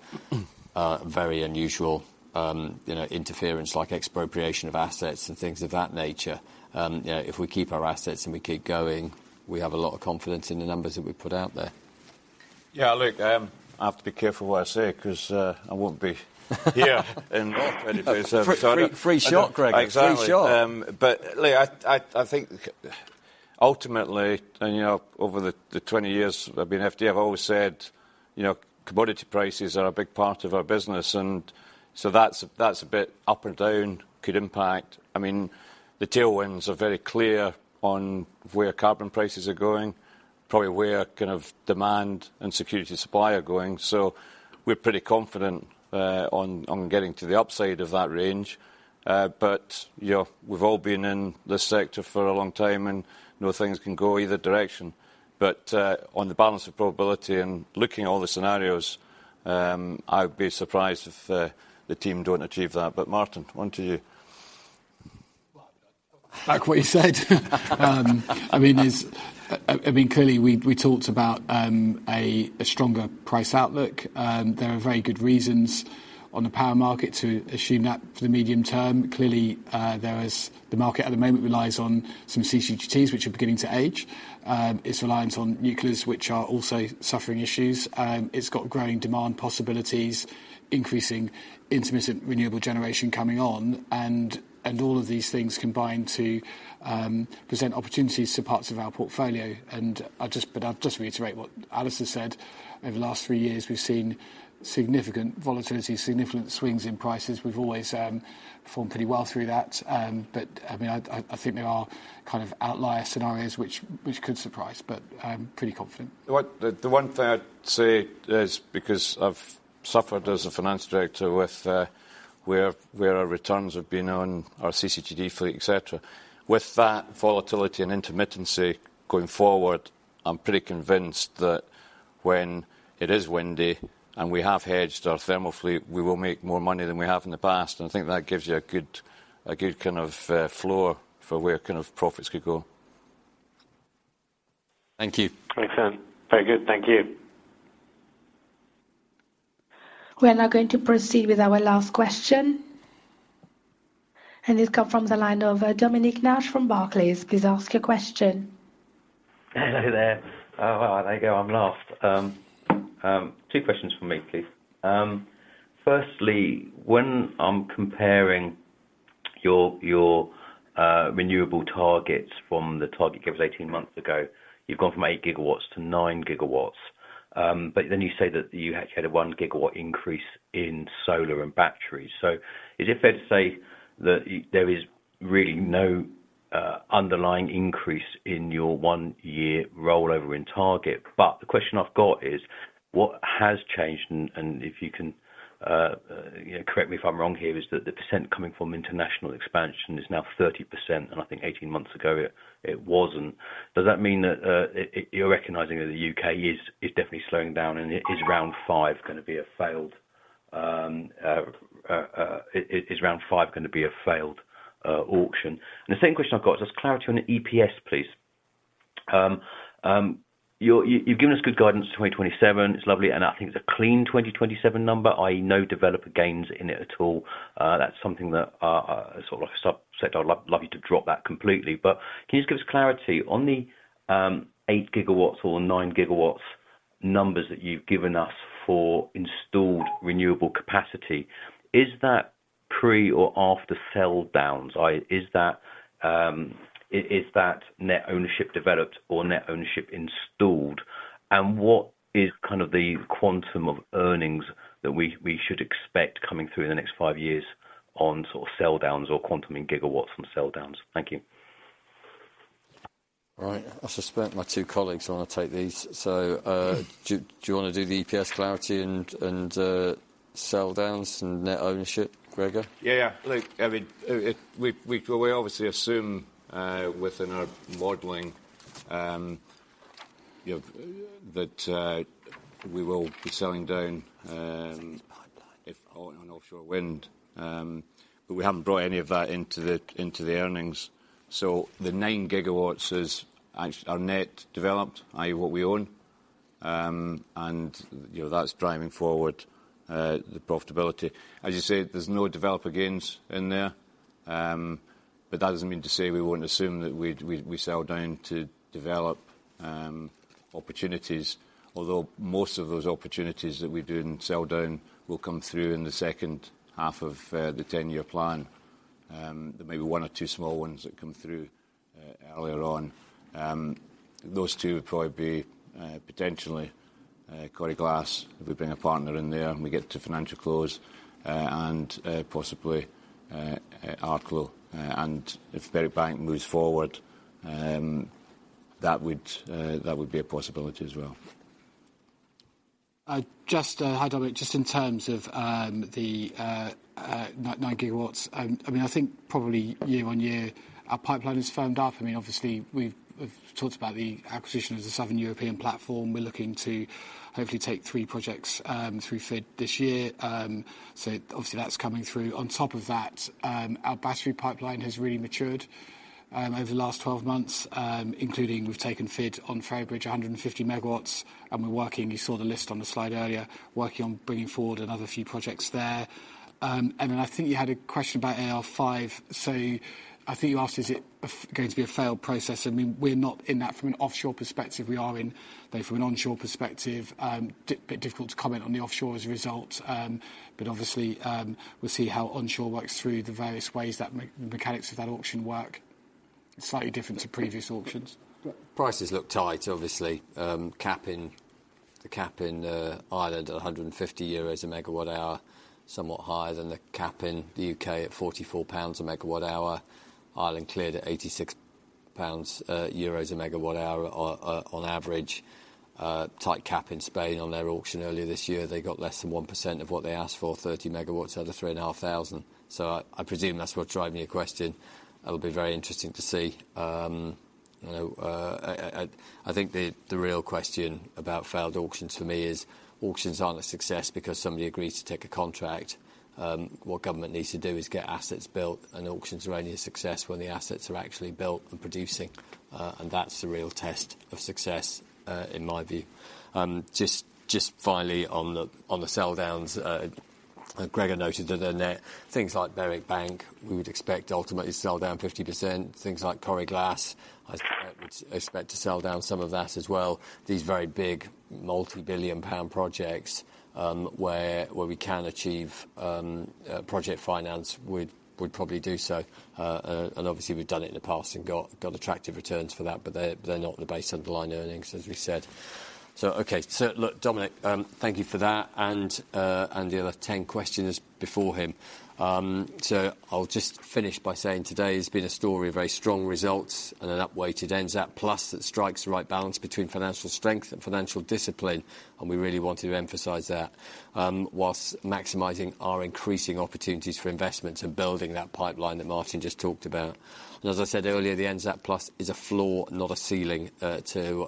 very unusual, you know, interference like expropriation of assets and things of that nature. You know, if we keep our assets and we keep going, we have a lot of confidence in the numbers that we put out there. Look, I have to be careful what I say 'cause I won't be here in 2027. Free, free shot, Gregor. Exactly. Free shot. Lee, I think Ultimately, you know, over the 20 years I've been at FD, I've always said, you know, commodity prices are a big part of our business and so that's a bit up and down could impact. I mean, the tailwinds are very clear on where carbon prices are going, probably where kind of demand and security supply are going. We're pretty confident on getting to the upside of that range. You know, we've all been in this sector for a long time, and know things can go either direction. On the balance of probability and looking at all the scenarios, I'd be surprised if the team don't achieve that. Martin, on to you. Well, like what you said I mean, clearly we talked about a stronger price outlook. There are very good reasons on the power market to assume that for the medium term. The market at the moment relies on some CCGTs, which are beginning to age. It's reliance on nucleus, which are also suffering issues. It's got growing demand possibilities, increasing intermittent renewable generation coming on and all of these things combine to present opportunities to parts of our portfolio. I'll just reiterate what Alistair said, over the last three years, we've seen significant volatility, significant swings in prices. We've always performed pretty well through that. I mean, I think there are kind of outlier scenarios which could surprise, but I'm pretty confident. The one thing I'd say is because I've suffered as a finance director with where our returns have been on our CCGT fleet, et cetera. With that volatility and intermittency going forward, I'm pretty convinced that when it is windy and we have hedged our thermal fleet, we will make more money than we have in the past. I think that gives you a good kind of floor for where kind of profits could go. Thank you. Makes sense. Very good. Thank you. We're now going to proceed with our last question. This come from the line of Dominic Nash from Barclays. Please ask your question. Hello there. Well, there you go, I'm last. Two questions from me, please. Firstly, when I'm comparing your renewable targets from the target gives 18 months ago, you've gone from 8 GW to 9 GW. You say that you actually had a 1 GW increase in solar and batteries. Is it fair to say that there is really no underlying increase in your one year rollover in target? The question I've got is, what has changed? If you can, you know, correct me if I'm wrong here, is that the percent coming from international expansion is now 30%, and I think 18 months ago it wasn't. Does that mean that it. You're recognizing that the U.K. is definitely slowing down. Is Round 5 going to be a failed auction? The second question I've got is, just clarity on the EPS, please. You've given us good guidance for 2027. It's lovely, and I think it's a clean 2027 number, i.e. no developer gains in it at all. That's something that sort of like I said, I'd love you to drop that completely. Can you just give us clarity on the 8 GW or 9 GW numbers that you've given us for installed renewable capacity, is that pre or after sell downs? Is that net ownership developed or net ownership installed? What is kind of the quantum of earnings that we should expect coming through in the next five years on sort of sell downs or quantum in gigawatts from sell downs? Thank you. All right. I suspect my two colleagues wanna take these. Do you wanna do the EPS clarity and sell downs and net ownership, Gregor? Yeah. Like, I mean, We obviously assume within our modeling, you know, that we will be selling down if on an offshore wind. We haven't brought any of that into the earnings. The 9 GW is actually our net developed, i.e. what we own. You know, that's driving forward the profitability. As you say, there's no developer gains in there. That doesn't mean to say we won't assume that we sell down to develop opportunities. Most of those opportunities that we do in sell down will come through in the second half of the 10-year plan. There may be one or two small ones that come through earlier on. Those two would probably be potentially Coire Glas. If we bring a partner in there and we get to financial close, and possibly Arklow Bank. If Berwick Bank moves forward, that would be a possibility as well. I just. Hi, Dominic. Just in terms of the 9 GW, I mean, I think probably year-over-year our pipeline has firmed up. I mean, obviously we've talked about the acquisition of the Southern European platform. We're looking to hopefully take three projects through FID this year. Obviously that's coming through. On top of that, our battery pipeline has really matured over the last 12 months, including we've taken FID on Ferrybridge 150 MW, and we're working, you saw the list on the slide earlier, working on bringing forward another few projects there. I think you had a question about AR5. I think you asked is it going to be a failed process? I mean, we're not in that from an offshore perspective. We are in, though, from an onshore perspective, bit difficult to comment on the offshore as a result. Obviously, we'll see how onshore works through the various ways that mechanics of that auction work. Slightly different to previous auctions? Prices look tight, obviously. Capping, the cap in Ireland at 150 euros a megawatt hour, somewhat higher than the cap in the U.K. at 44 pounds a megawatt hour. Ireland cleared at EUR 86 a megawatt hour on average. Tight cap in Spain on their auction earlier this year. They got less than 1% of what they asked for, 30 MW out of 3,500. I presume that's what's driving your question. It'll be very interesting to see. You know, I think the real question about failed auctions to me is, auctions aren't a success because somebody agrees to take a contract. What government needs to do is get assets built, auctions are only a success when the assets are actually built and producing. That's the real test of success in my view. Just finally on the sell downs. Gregor noted that in there, things like Berwick Bank, we would expect ultimately to sell down 50%. Things like Coire Glas, I would expect to sell down some of that as well. These very big multi-billion GBP projects, where we can achieve project finance would probably do so. And obviously we've done it in the past and got attractive returns for that, but they're not the base underlying earnings, as we said. Okay. Look, Dominic, thank you for that and the other 10 questions before him. I'll just finish by saying today has been a story of very strong results and an upweighted NZAP Plus that strikes the right balance between financial strength and financial discipline, and we really want to emphasize that, whilst maximizing our increasing opportunities for investments and building that pipeline that Martin just talked about. As I said earlier, the NZAP Plus is a floor, not a ceiling to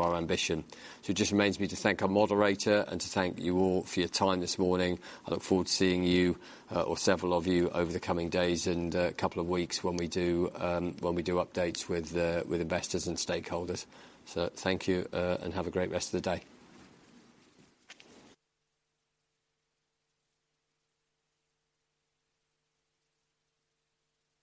our ambition. It just remains me to thank our moderator and to thank you all for your time this morning. I look forward to seeing you, or several of you over the coming days and couple of weeks when we do, when we do updates with investors and stakeholders. Thank you, and have a great rest of the day.